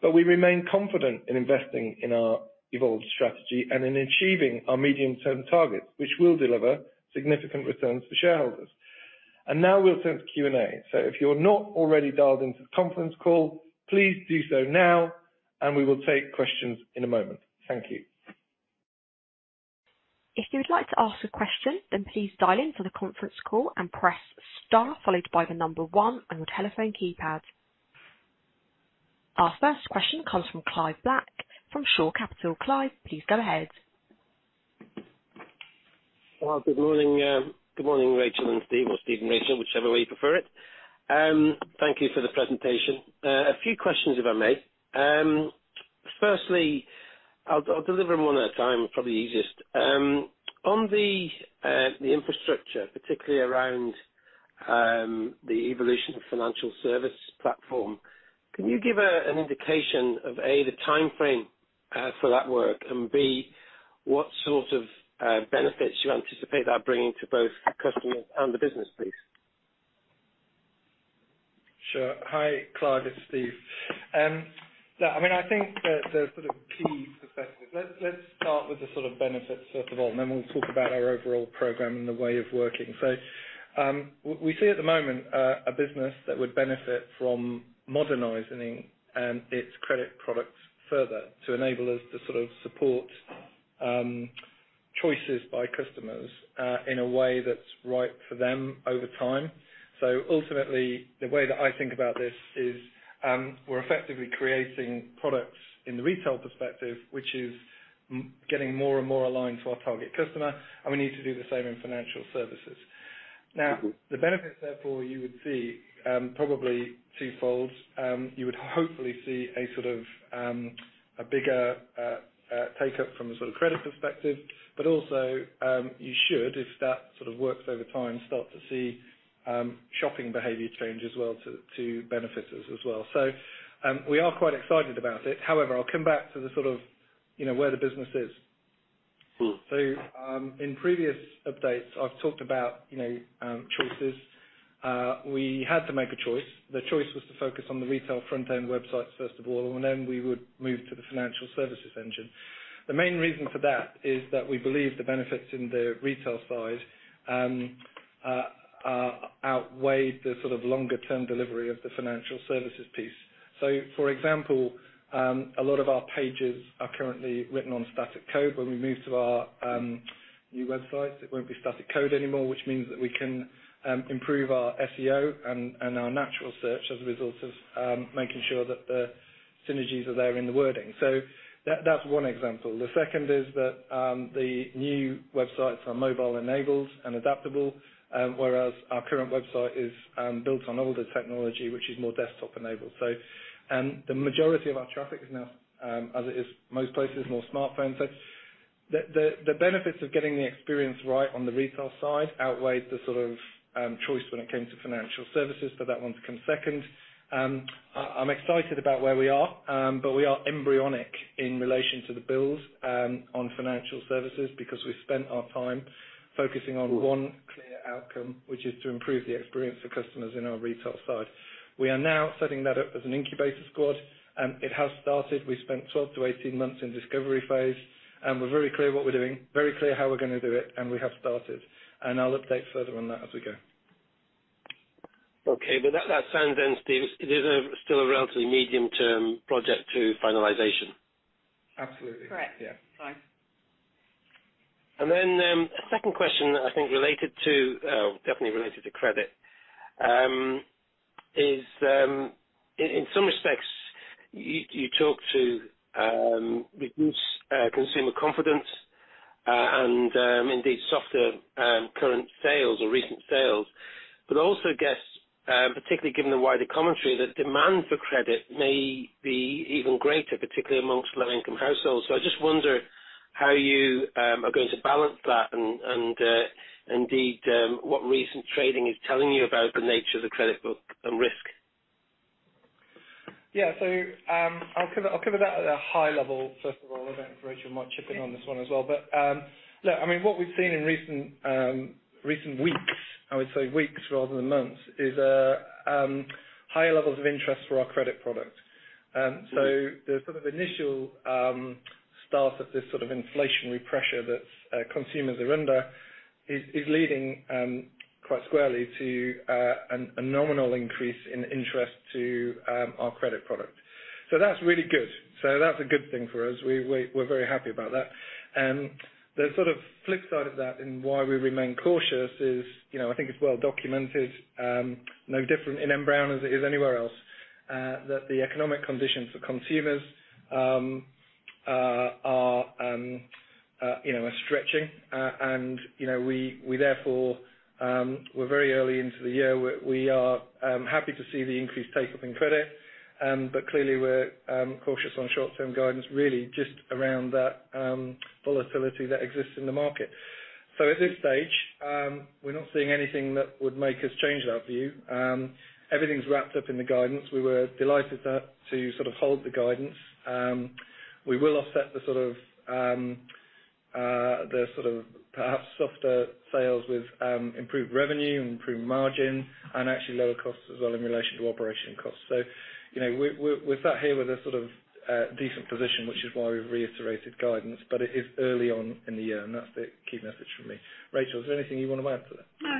but we remain confident in investing in our evolved strategy and in achieving our medium-term targets, which will deliver significant returns for shareholders. Now we'll turn to Q&A. If you're not already dialed into the conference call, please do so now, and we will take questions in a moment. Thank you. If you would like to ask a question, then please dial in to the conference call and press star followed by the number one on your telephone keypad. Our first question comes from Clive Black from Shore Capital. Clive, please go ahead. Well, good morning. Good morning, Rachel and Steve, or Steve and Rachel, whichever way you prefer it. Thank you for the presentation. A few questions if I may. Firstly, I'll deliver them one at a time, probably easiest. On the infrastructure, particularly around the evolution of financial service platform, can you give an indication of, A, the timeframe for that work, and B, what sort of benefits do you anticipate that bringing to both customers and the business, please? Sure. Hi, Clive, it's Steve. I think the sort of key perspective. Let's start with the sort of benefits first of all, and then we'll talk about our overall program and the way of working. We see at the moment a business that would benefit from modernizing its credit products further to enable us to sort of support choices by customers in a way that's right for them over time. Ultimately, the way that I think about this is, we're effectively creating products in the retail perspective, which is getting more and more aligned to our target customer, and we need to do the same in financial services. Now, the benefits therefore you would see, probably twofold. You would hopefully see a sort of bigger take-up from a sort of credit perspective, but also you should, if that sort of works over time, start to see shopping behavior change as well to benefit us as well. We are quite excited about it. However, I'll come back to the sort of where the business is. In previous updates, I've talked about choices. We had to make a choice. The choice was to focus on the retail front-end websites, first of all, and then we would move to the financial services engine. The main reason for that is that we believe the benefits in the retail side outweighed the sort of longer-term delivery of the financial services piece. For example, a lot of our pages are currently written on static code. When we move to our new websites, it won't be static code anymore, which means that we can improve our SEO and our natural search as a result of making sure that the synergies are there in the wording. That's one example. The second is that, the new websites are mobile-enabled and adaptable, whereas our current website is built on older technology, which is more desktop-enabled. The majority of our traffic is now, as it is most places, more smartphone. The benefits of getting the experience right on the retail side outweighed the sort of choice when it came to financial services. That one's come second. I'm excited about where we are, but we are embryonic in relation to the build on financial services because we've spent our time focusing on one clear outcome, which is to improve the experience for customers in our retail side. We are now setting that up as an incubator squad, and it has started. We spent 12-18 months in discovery phase, and we're very clear what we're doing, very clear how we're gonna do it, and we have started. I'll update further on that as we go. Okay. That sounds then, Steve, it is still a relatively medium-term project to finalization. Absolutely. Correct. Yeah. Fine. A second question that I think related to definitely related to credit is in some respects you talk to reduced consumer confidence and indeed softer current sales or recent sales. Also I guess particularly given the wider commentary that demand for credit may be even greater particularly amongst low-income households. I just wonder how you are going to balance that and indeed what recent trading is telling you about the nature of the credit book and risk. Yeah. I'll cover that at a high level, first of all. I don't know if Rachel might chip in on this one as well. Look, I mean, what we've seen in recent weeks, I would say weeks rather than months, is higher levels of interest in our credit product. The sort of initial start of this sort of inflationary pressure that consumers are under is leading quite squarely to a nominal increase in interest in our credit product. That's really good. That's a good thing for us. We're very happy about that. The sort of flip side of that and why we remain cautious is I think it's well documented, no different in N Brown as it is anywhere else, that the economic conditions for consumers are stretching. Therefore we're very early into the year. We are happy to see the increased take-up in credit, but clearly we're cautious on short-term guidance really just around that volatility that exists in the market. At this stage, we're not seeing anything that would make us change that view. Everything's wrapped up in the guidance. We were delighted to sort of hold the guidance. We will offset the sort of perhaps softer sales with improved revenue and improved margin and actually lower costs as well in relation to operational costs. We sat here with a sort of decent position, which is why we've reiterated guidance, but it is early on in the year, and that's the key message from me. Rachel, is there anything you wanna add to that? No.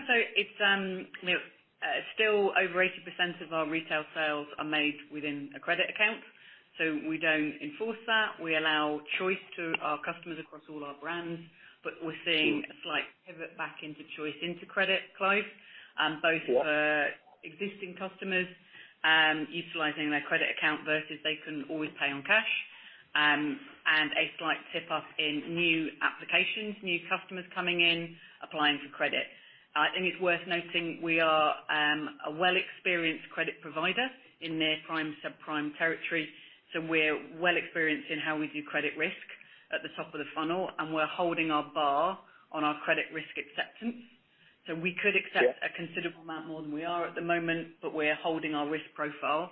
It's still over 80% of our retail sales are made within a credit account, so we don't enforce that. We allow choice to our customers across all our brands. We're seeing a slight pivot back into choice into credit, Clive, both for existing customers utilizing their credit account versus they can always pay on cash, and a slight tick-up in new applications, new customers coming in applying for credit. It's worth noting we are a well-experienced credit provider in near prime, subprime territory, so we're well experienced in how we do credit risk at the top of the funnel, and we're holding our bar on our credit risk acceptance. We could accept a considerable amount more than we are at the moment, but we're holding our risk profile.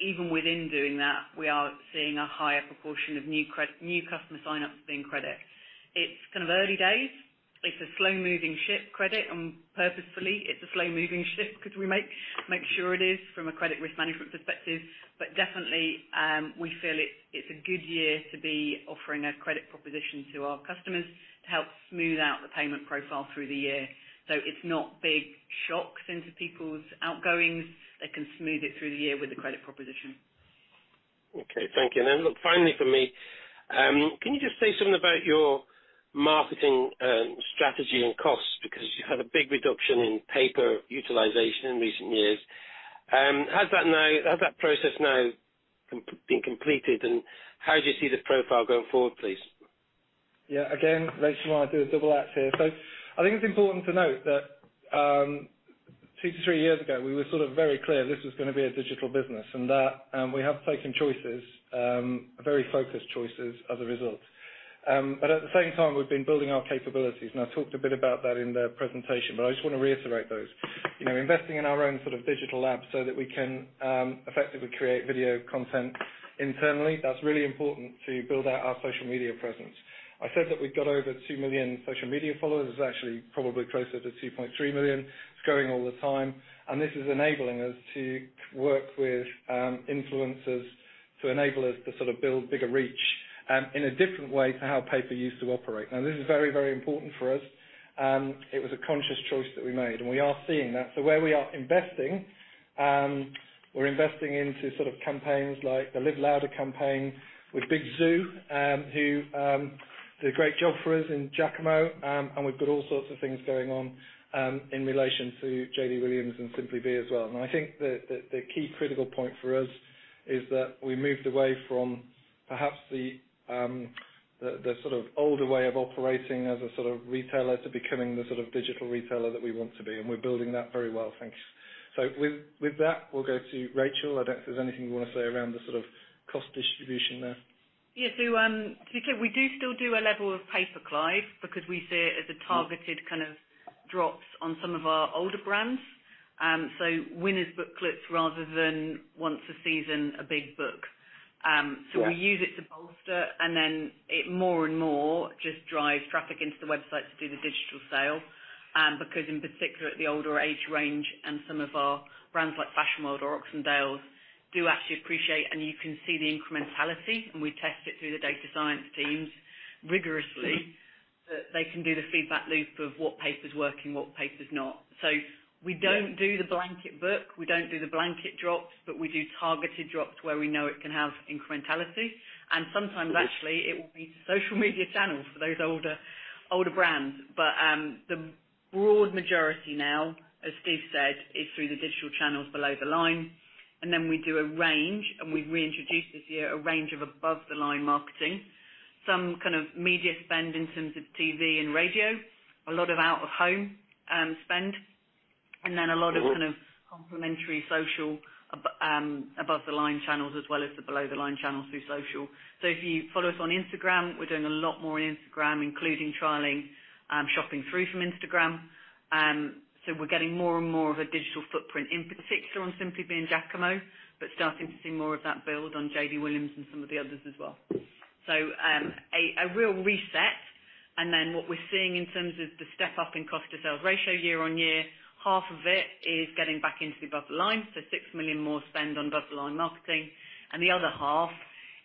Even within doing that, we are seeing a higher proportion of new customer sign-ups doing credit. It's kind of early days. It's a slow-moving ship, credit, and purposefully it's a slow-moving ship because we make sure it is from a credit risk management perspective. Definitely, we feel it's a good year to be offering a credit proposition to our customers to help smooth out the payment profile through the year. It's not big shocks into people's outgoings. They can smooth it through the year with the credit proposition. Okay. Thank you. Look, finally from me, can you just say something about your marketing, strategy and costs? Because you had a big reduction in paper utilization in recent years. Has that process now been completed? How do you see the profile going forward, please? Yeah. Again, Rachel might do a double act here. I think it's important to note that, two to three years ago, we were sort of very clear this was gonna be a digital business, and that, we have taken choices, very focused choices as a result. At the same time, we've been building our capabilities, and I talked a bit about that in the presentation, but I just wanna reiterate those. Investing in our own sort of digital app so that we can, effectively create video content internally. That's really important to build out our social media presence. I said that we've got over 2 million social media followers. It's actually probably closer to 2.3 million. It's growing all the time, and this is enabling us to work with, influencers to enable us to sort of build bigger reach, in a different way to how paper used to operate. Now, this is very, very important for us, and it was a conscious choice that we made, and we are seeing that. Where we are investing, we're investing into sort of campaigns like the Live Louder campaign with Big Zuu, who did a great job for us in Jacamo. We've got all sorts of things going on, in relation to JD Williams and Simply Be as well. I think the key critical point for us is that we moved away from perhaps the sort of older way of operating as a sort of retailer to becoming the sort of digital retailer that we want to be, and we're building that very well, thanks. With that, we'll go to Rachel. I don't know if there's anything you wanna say around the sort of cost distribution there. To be clear, we do still do a level of paper, Clive, because we see it as a targeted kind of drops on some of our older brands. Winners booklets rather than once a season, a big book. Yeah. We use it to bolster, and then it more and more just drives traffic into the website to do the digital sale. Because in particular at the older age range and some of our brands like Fashion World or Oxendales do actually appreciate, and you can see the incrementality, and we test it through the data science teams rigorously, so that they can do the feedback loop of what paper's working, what paper's not. We don't do the blanket book, we don't do the blanket drops, but we do targeted drops where we know it can have incrementality. Sometimes actually it will be social media channels for those older brands. The broad majority now, as Steve said, is through the digital channels below the line. Then we do a range, and we've reintroduced this year a range of above the line marketing. Some kind of media spend in terms of TV and radio, a lot of out of home spend, and then a lot of kind of complementary social above the line channels as well as the below the line channels through social. If you follow us on Instagram, we're doing a lot more on Instagram, including trialing shopping through from Instagram. We're getting more and more of a digital footprint, in particular on Simply Be and Jacamo, but starting to see more of that build on JD Williams and some of the others as well. A real reset. What we're seeing in terms of the step up in cost to sales ratio year-over-year, half of it is getting back into the above the line, so 6 million more spend on above the line marketing. The other half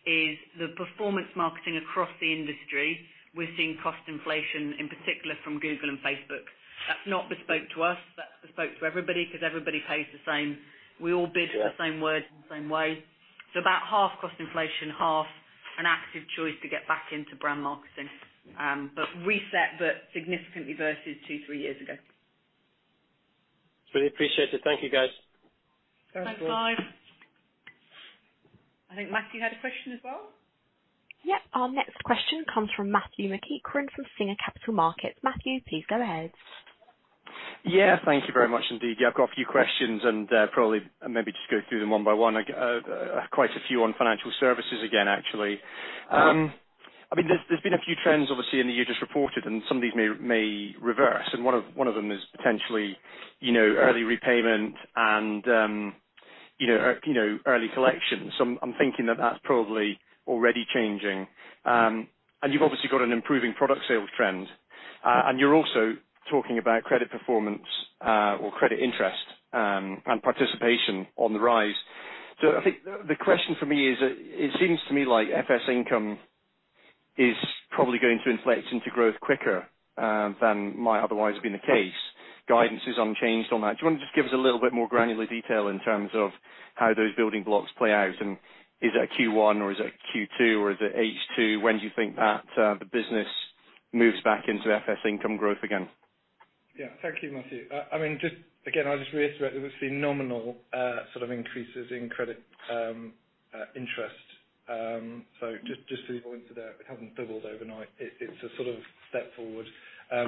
is the performance marketing across the industry. We're seeing cost inflation in particular from Google and Facebook. That's not bespoke to us, that's bespoke to everybody 'cause everybody pays the same. We all bid for the same words in the same way. About half cost inflation, half an active choice to get back into brand marketing. Reset, significantly versus two, three years ago. Really appreciate it. Thank you, guys. Thanks, Clive. Thanks, Clive. I think Matthew had a question as well. Yep. Our next question comes from Matthew McEachran from Singer Capital Markets. Matthew, please go ahead. Yeah. Thank you very much indeed. Yeah, I've got a few questions and, probably maybe just go through them one by one. Quite a few on financial services again, actually. I mean, there's been a few trends obviously in the year just reported, and some of these may reverse and one of them is potentially early repayment and early collections. I'm thinking that that's probably already changing. And you've obviously got an improving product sales trend. And you're also talking about credit performance, or credit interest, and participation on the rise. I think the question for me is, it seems to me like FS income is probably going to inflate into growth quicker, than might otherwise have been the case. Guidance is unchanged on that. Do you wanna just give us a little bit more granular detail in terms of how those building blocks play out? Is that Q1 or is it Q2 or is it H2? When do you think that the business moves back into FS income growth again? Yeah. Thank you, Matthew. I mean, just again, I'll just reiterate that we've seen nominal, sort of increases in credit, interest. Just to be pointed out, it hasn't doubled overnight. It's a sort of step forward.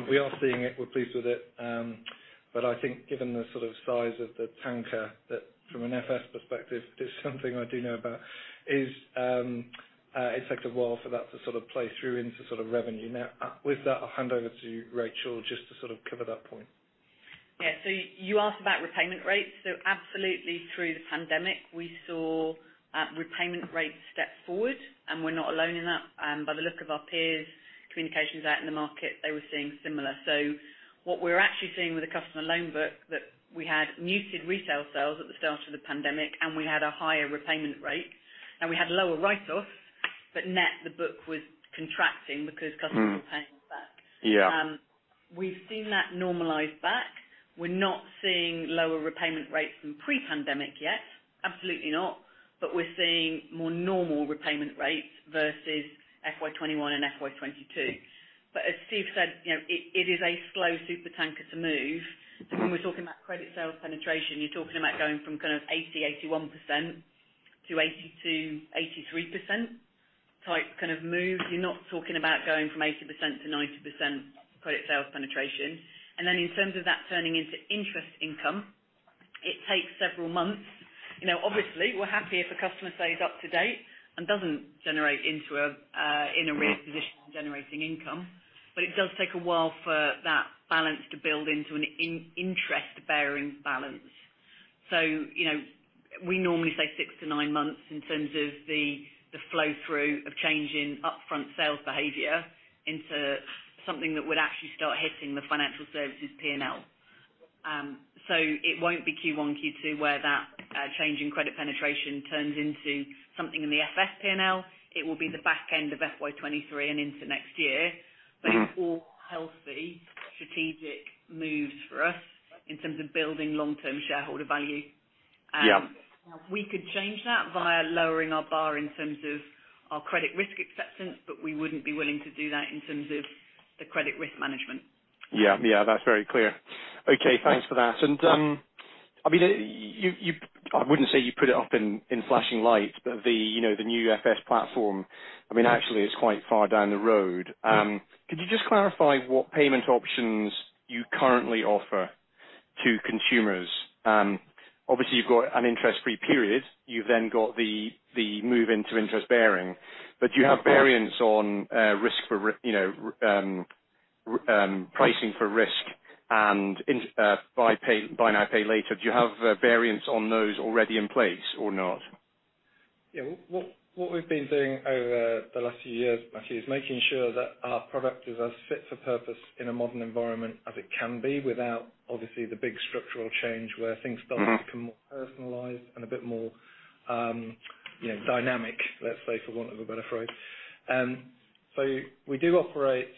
We are seeing it, we're pleased with it. I think given the sort of size of the tanker, that from an FS perspective, that's something I do know about is, it'll take a while for that to sort of play through into sort of revenue. Now, with that, I'll hand over to Rachel just to sort of cover that point. Yeah. You asked about repayment rates. Absolutely through the pandemic we saw repayment rates step forward, and we're not alone in that. By the look of our peers, communications out in the market, they were seeing similar. What we're actually seeing with the customer loan book that we had muted retail sales at the start of the pandemic, and we had a higher repayment rate and we had lower write-offs, but net, the book was contracting because customers were paying us back. We've seen that normalize back. We're not seeing lower repayment rates from pre-pandemic yet. Absolutely not. We're seeing more normal repayment rates versus FY 2021 and FY 2022. As Steve said, it is a slow supertanker to move when we're talking about credit sales penetration, you're talking about going from kind of 80-81% to 82-83% type kind of move. You're not talking about going from 80% to 90% credit sales penetration. Then in terms of that turning into interest income, it takes several months. Obviously we're happy if a customer stays up to date and doesn't generate into an arrears position generating income. It does take a while for that balance to build into an interest-bearing balance. We normally say six to nine months in terms of the flow through of changing upfront sales behavior into something that would actually start hitting the financial services PNL. It won't be Q1, Q2 where that change in credit penetration turns into something in the FS PNL. It will be the back end of FY 2023 and into next year.It's all healthy strategic moves for us in terms of building long-term shareholder value we could change that via lowering our bar in terms of our credit risk acceptance, but we wouldn't be willing to do that in terms of the credit risk management. Yeah. Yeah, that's very clear. Okay. Yeah. Thanks for that. I mean, I wouldn't say you put it up in flashing lights, but the new FS platform, I mean, actually it's quite far down the road. Yeah. Could you just clarify what payment options you currently offer to consumers? Obviously you've got an interest-free period. You've then got the move into interest-bearing. Do you have variants on risk and pricing for buy now, pay later? Do you have variants on those already in place or not? Yeah. What we've been doing over the last few years, Matthew, is making sure that our product is as fit for purpose in a modern environment as it can be, without obviously the big structural change where things start to become more personalized and a bit more dynamic, let's say, for want of a better phrase. We do operate,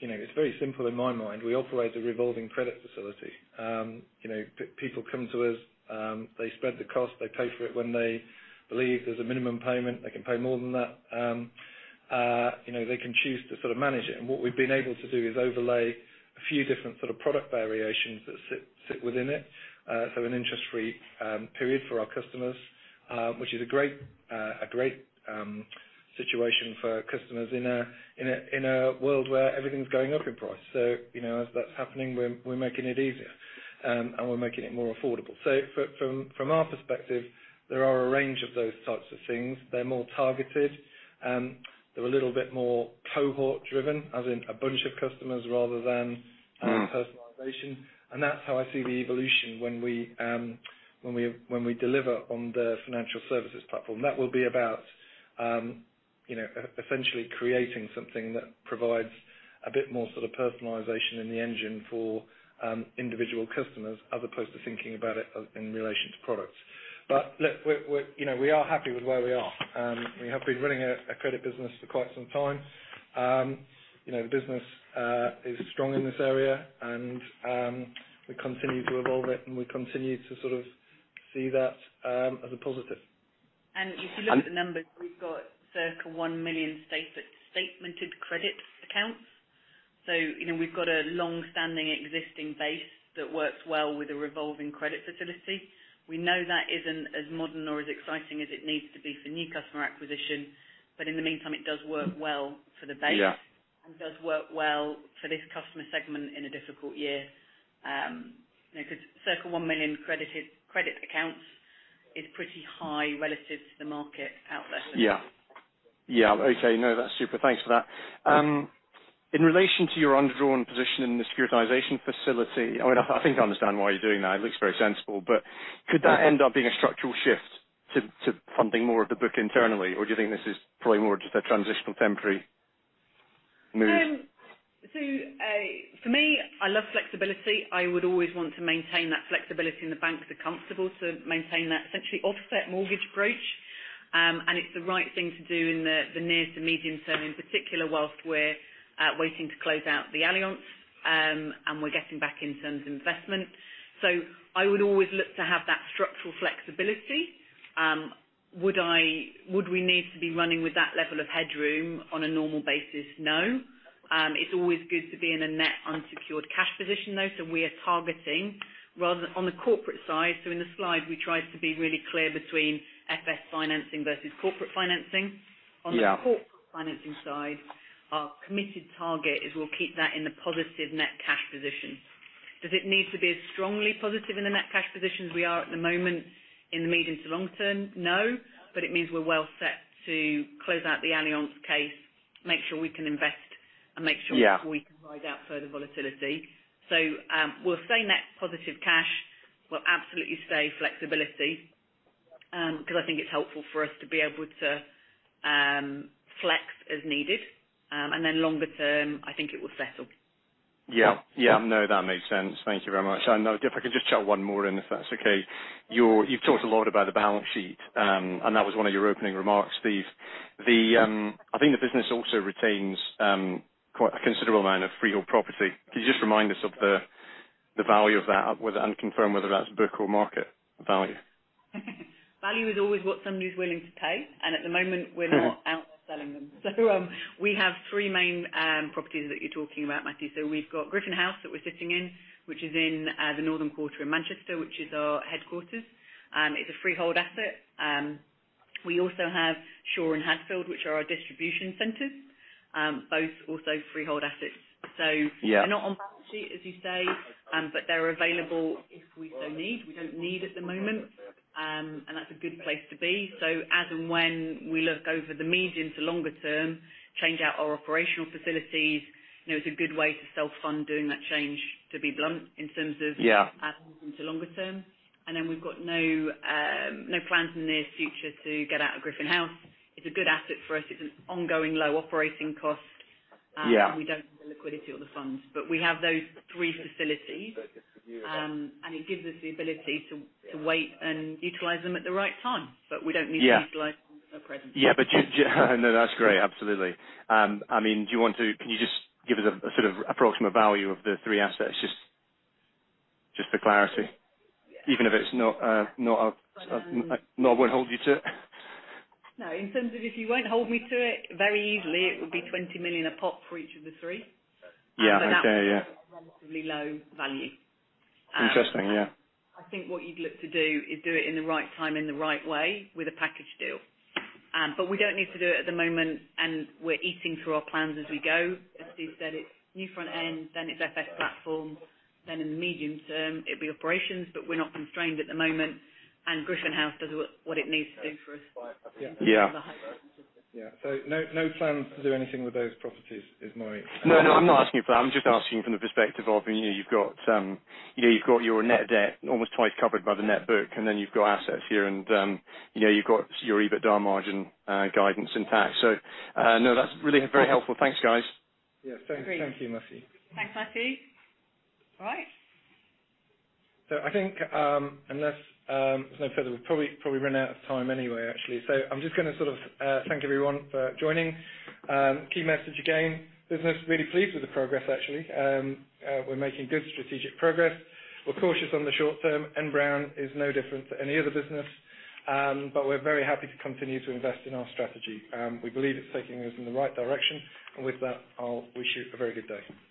it's very simple in my mind. We operate a revolving credit facility. People come to us, they spread the cost, they pay for it when they leave. There's a minimum payment. They can pay more than that. They can choose to sort of manage it. What we've been able to do is overlay a few different sort of product variations that sit within it. An interest free period for our customers, which is a great situation for customers in a world where everything's going up in price. As that's happening, we're making it easier, and we're making it more affordable. From our perspective, there are a range of those types of things. They're more targeted. They're a little bit more cohort driven, as in a bunch of customers rather than personalization. That's how I see the evolution when we deliver on the financial services platform. That will be about essentially creating something that provides a bit more sort of personalization in the engine for individual customers as opposed to thinking about it as in relation to products. Look, we're happy with where we are. We have been running a credit business for quite some time, the business is strong in this area and we continue to evolve it and we continue to sort of see that as a positive. If you look at the numbers, we've got circa 1 million stated, statemented credit accounts. We've got a long-standing existing base that works well with a revolving credit facility. We know that isn't as modern or as exciting as it needs to be for new customer acquisition, but in the meantime, it does work well for the base. Yeah. Does work well for this customer segment in a difficult year, 'cause circa 1 million credit accounts is pretty high relative to the market out there. Yeah. Okay. No, that's super. Thanks for that. In relation to your undrawn position in the securitization facility, I mean, I think I understand why you're doing that. It looks very sensible. Could that end up being a structural shift to funding more of the book internally, or do you think this is probably more just a transitional temporary move? For me, I love flexibility. I would always want to maintain that flexibility, and the banks are comfortable to maintain that essentially offset mortgage approach. It's the right thing to do in the near to medium term, in particular, while we're waiting to close out the Allianz, and we're getting back in terms of investment. I would always look to have that structural flexibility. Would we need to be running with that level of headroom on a normal basis? No. It's always good to be in a net unsecured cash position, though, so we are targeting rather than on the corporate side. In the slide we tried to be really clear between FS financing versus corporate financing. Yeah. On the corporate financing side, our committed target is we'll keep that in the positive net cash position. Does it need to be as strongly positive in the net cash position as we are at the moment in the medium to long term? No, but it means we're well set to close out the Allianz case, make sure we can invest and make sure. Yeah We can ride out further volatility. We'll stay net positive cash. We'll absolutely stay flexible, because I think it's helpful for us to be able to flex as needed. Longer term, I think it will settle. Yeah. No, that makes sense. Thank you very much. If I could just chuck one more in, if that's okay. You've talked a lot about the balance sheet, and that was one of your opening remarks, Steve. I think the business also retains quite a considerable amount of freehold property. Could you just remind us of the value of that? Confirm whether that's book or market value. Value is always what somebody's willing to pay. At the moment. We're not out selling them. We have three main properties that you're talking about, Matthew. We've got Griffin House that we're sitting in, which is in the Northern Quarter in Manchester, which is our headquarters. It's a freehold asset. We also have Shaw and Hadfield, which are our distribution centers, both also freehold assets. They're not on balance sheet, as you say, but they're available if we so need. We don't need at the moment. That's a good place to be. As and when we look over the medium to longer term, change out our operational facilities, it's a good way to self-fund doing that change, to be blunt, in terms of to longer term. We've got no plans in the near future to get out of Griffin House. It's a good asset for us. It's an ongoing low operating cost. We don't need the liquidity or the funds. We have those three facilities. It gives us the ability to wait and utilize them at the right time. We don't need to utilize them at present. No, that's great. Absolutely. I mean, can you just give us a sort of approximate value of the three assets? Just for clarity. Yeah. Even if it's not. Won't hold you to it. No. In terms of if you won't hold me to it, very easily it would be 20 million a pop for each of the three. Yeah. Okay. Yeah. That would be a relatively low value. Interesting. Yeah. I think what you'd look to do is do it in the right time, in the right way with a package deal. We don't need to do it at the moment, and we're eating through our plans as we go. As Steve said, it's new front end, then it's FS platform, then in the medium term it'll be operations. We're not constrained at the moment, and Griffin House does what it needs to do for us. Yeah. No plans to do anything with those properties is my [crosstalk] No, no, I'm not asking for that. I'm just asking from the perspective of you've got your net debt almost twice covered by the net book, and then you've got assets here and you've got your EBITDA margin guidance intact. No, that's really very helpful. Thanks, guys. Yeah. Thank you. Agreed. Thank you, Matthew. Thanks, Matthew. All right. I think unless there's no further, we've probably run out of time anyway, actually. I'm just gonna sort of thank everyone for joining. Key message again, business really pleased with the progress actually. We're making good strategic progress. We're cautious on the short term, N Brown is no different to any other business. We're very happy to continue to invest in our strategy. We believe it's taking us in the right direction. With that, I'll wish you a very good day.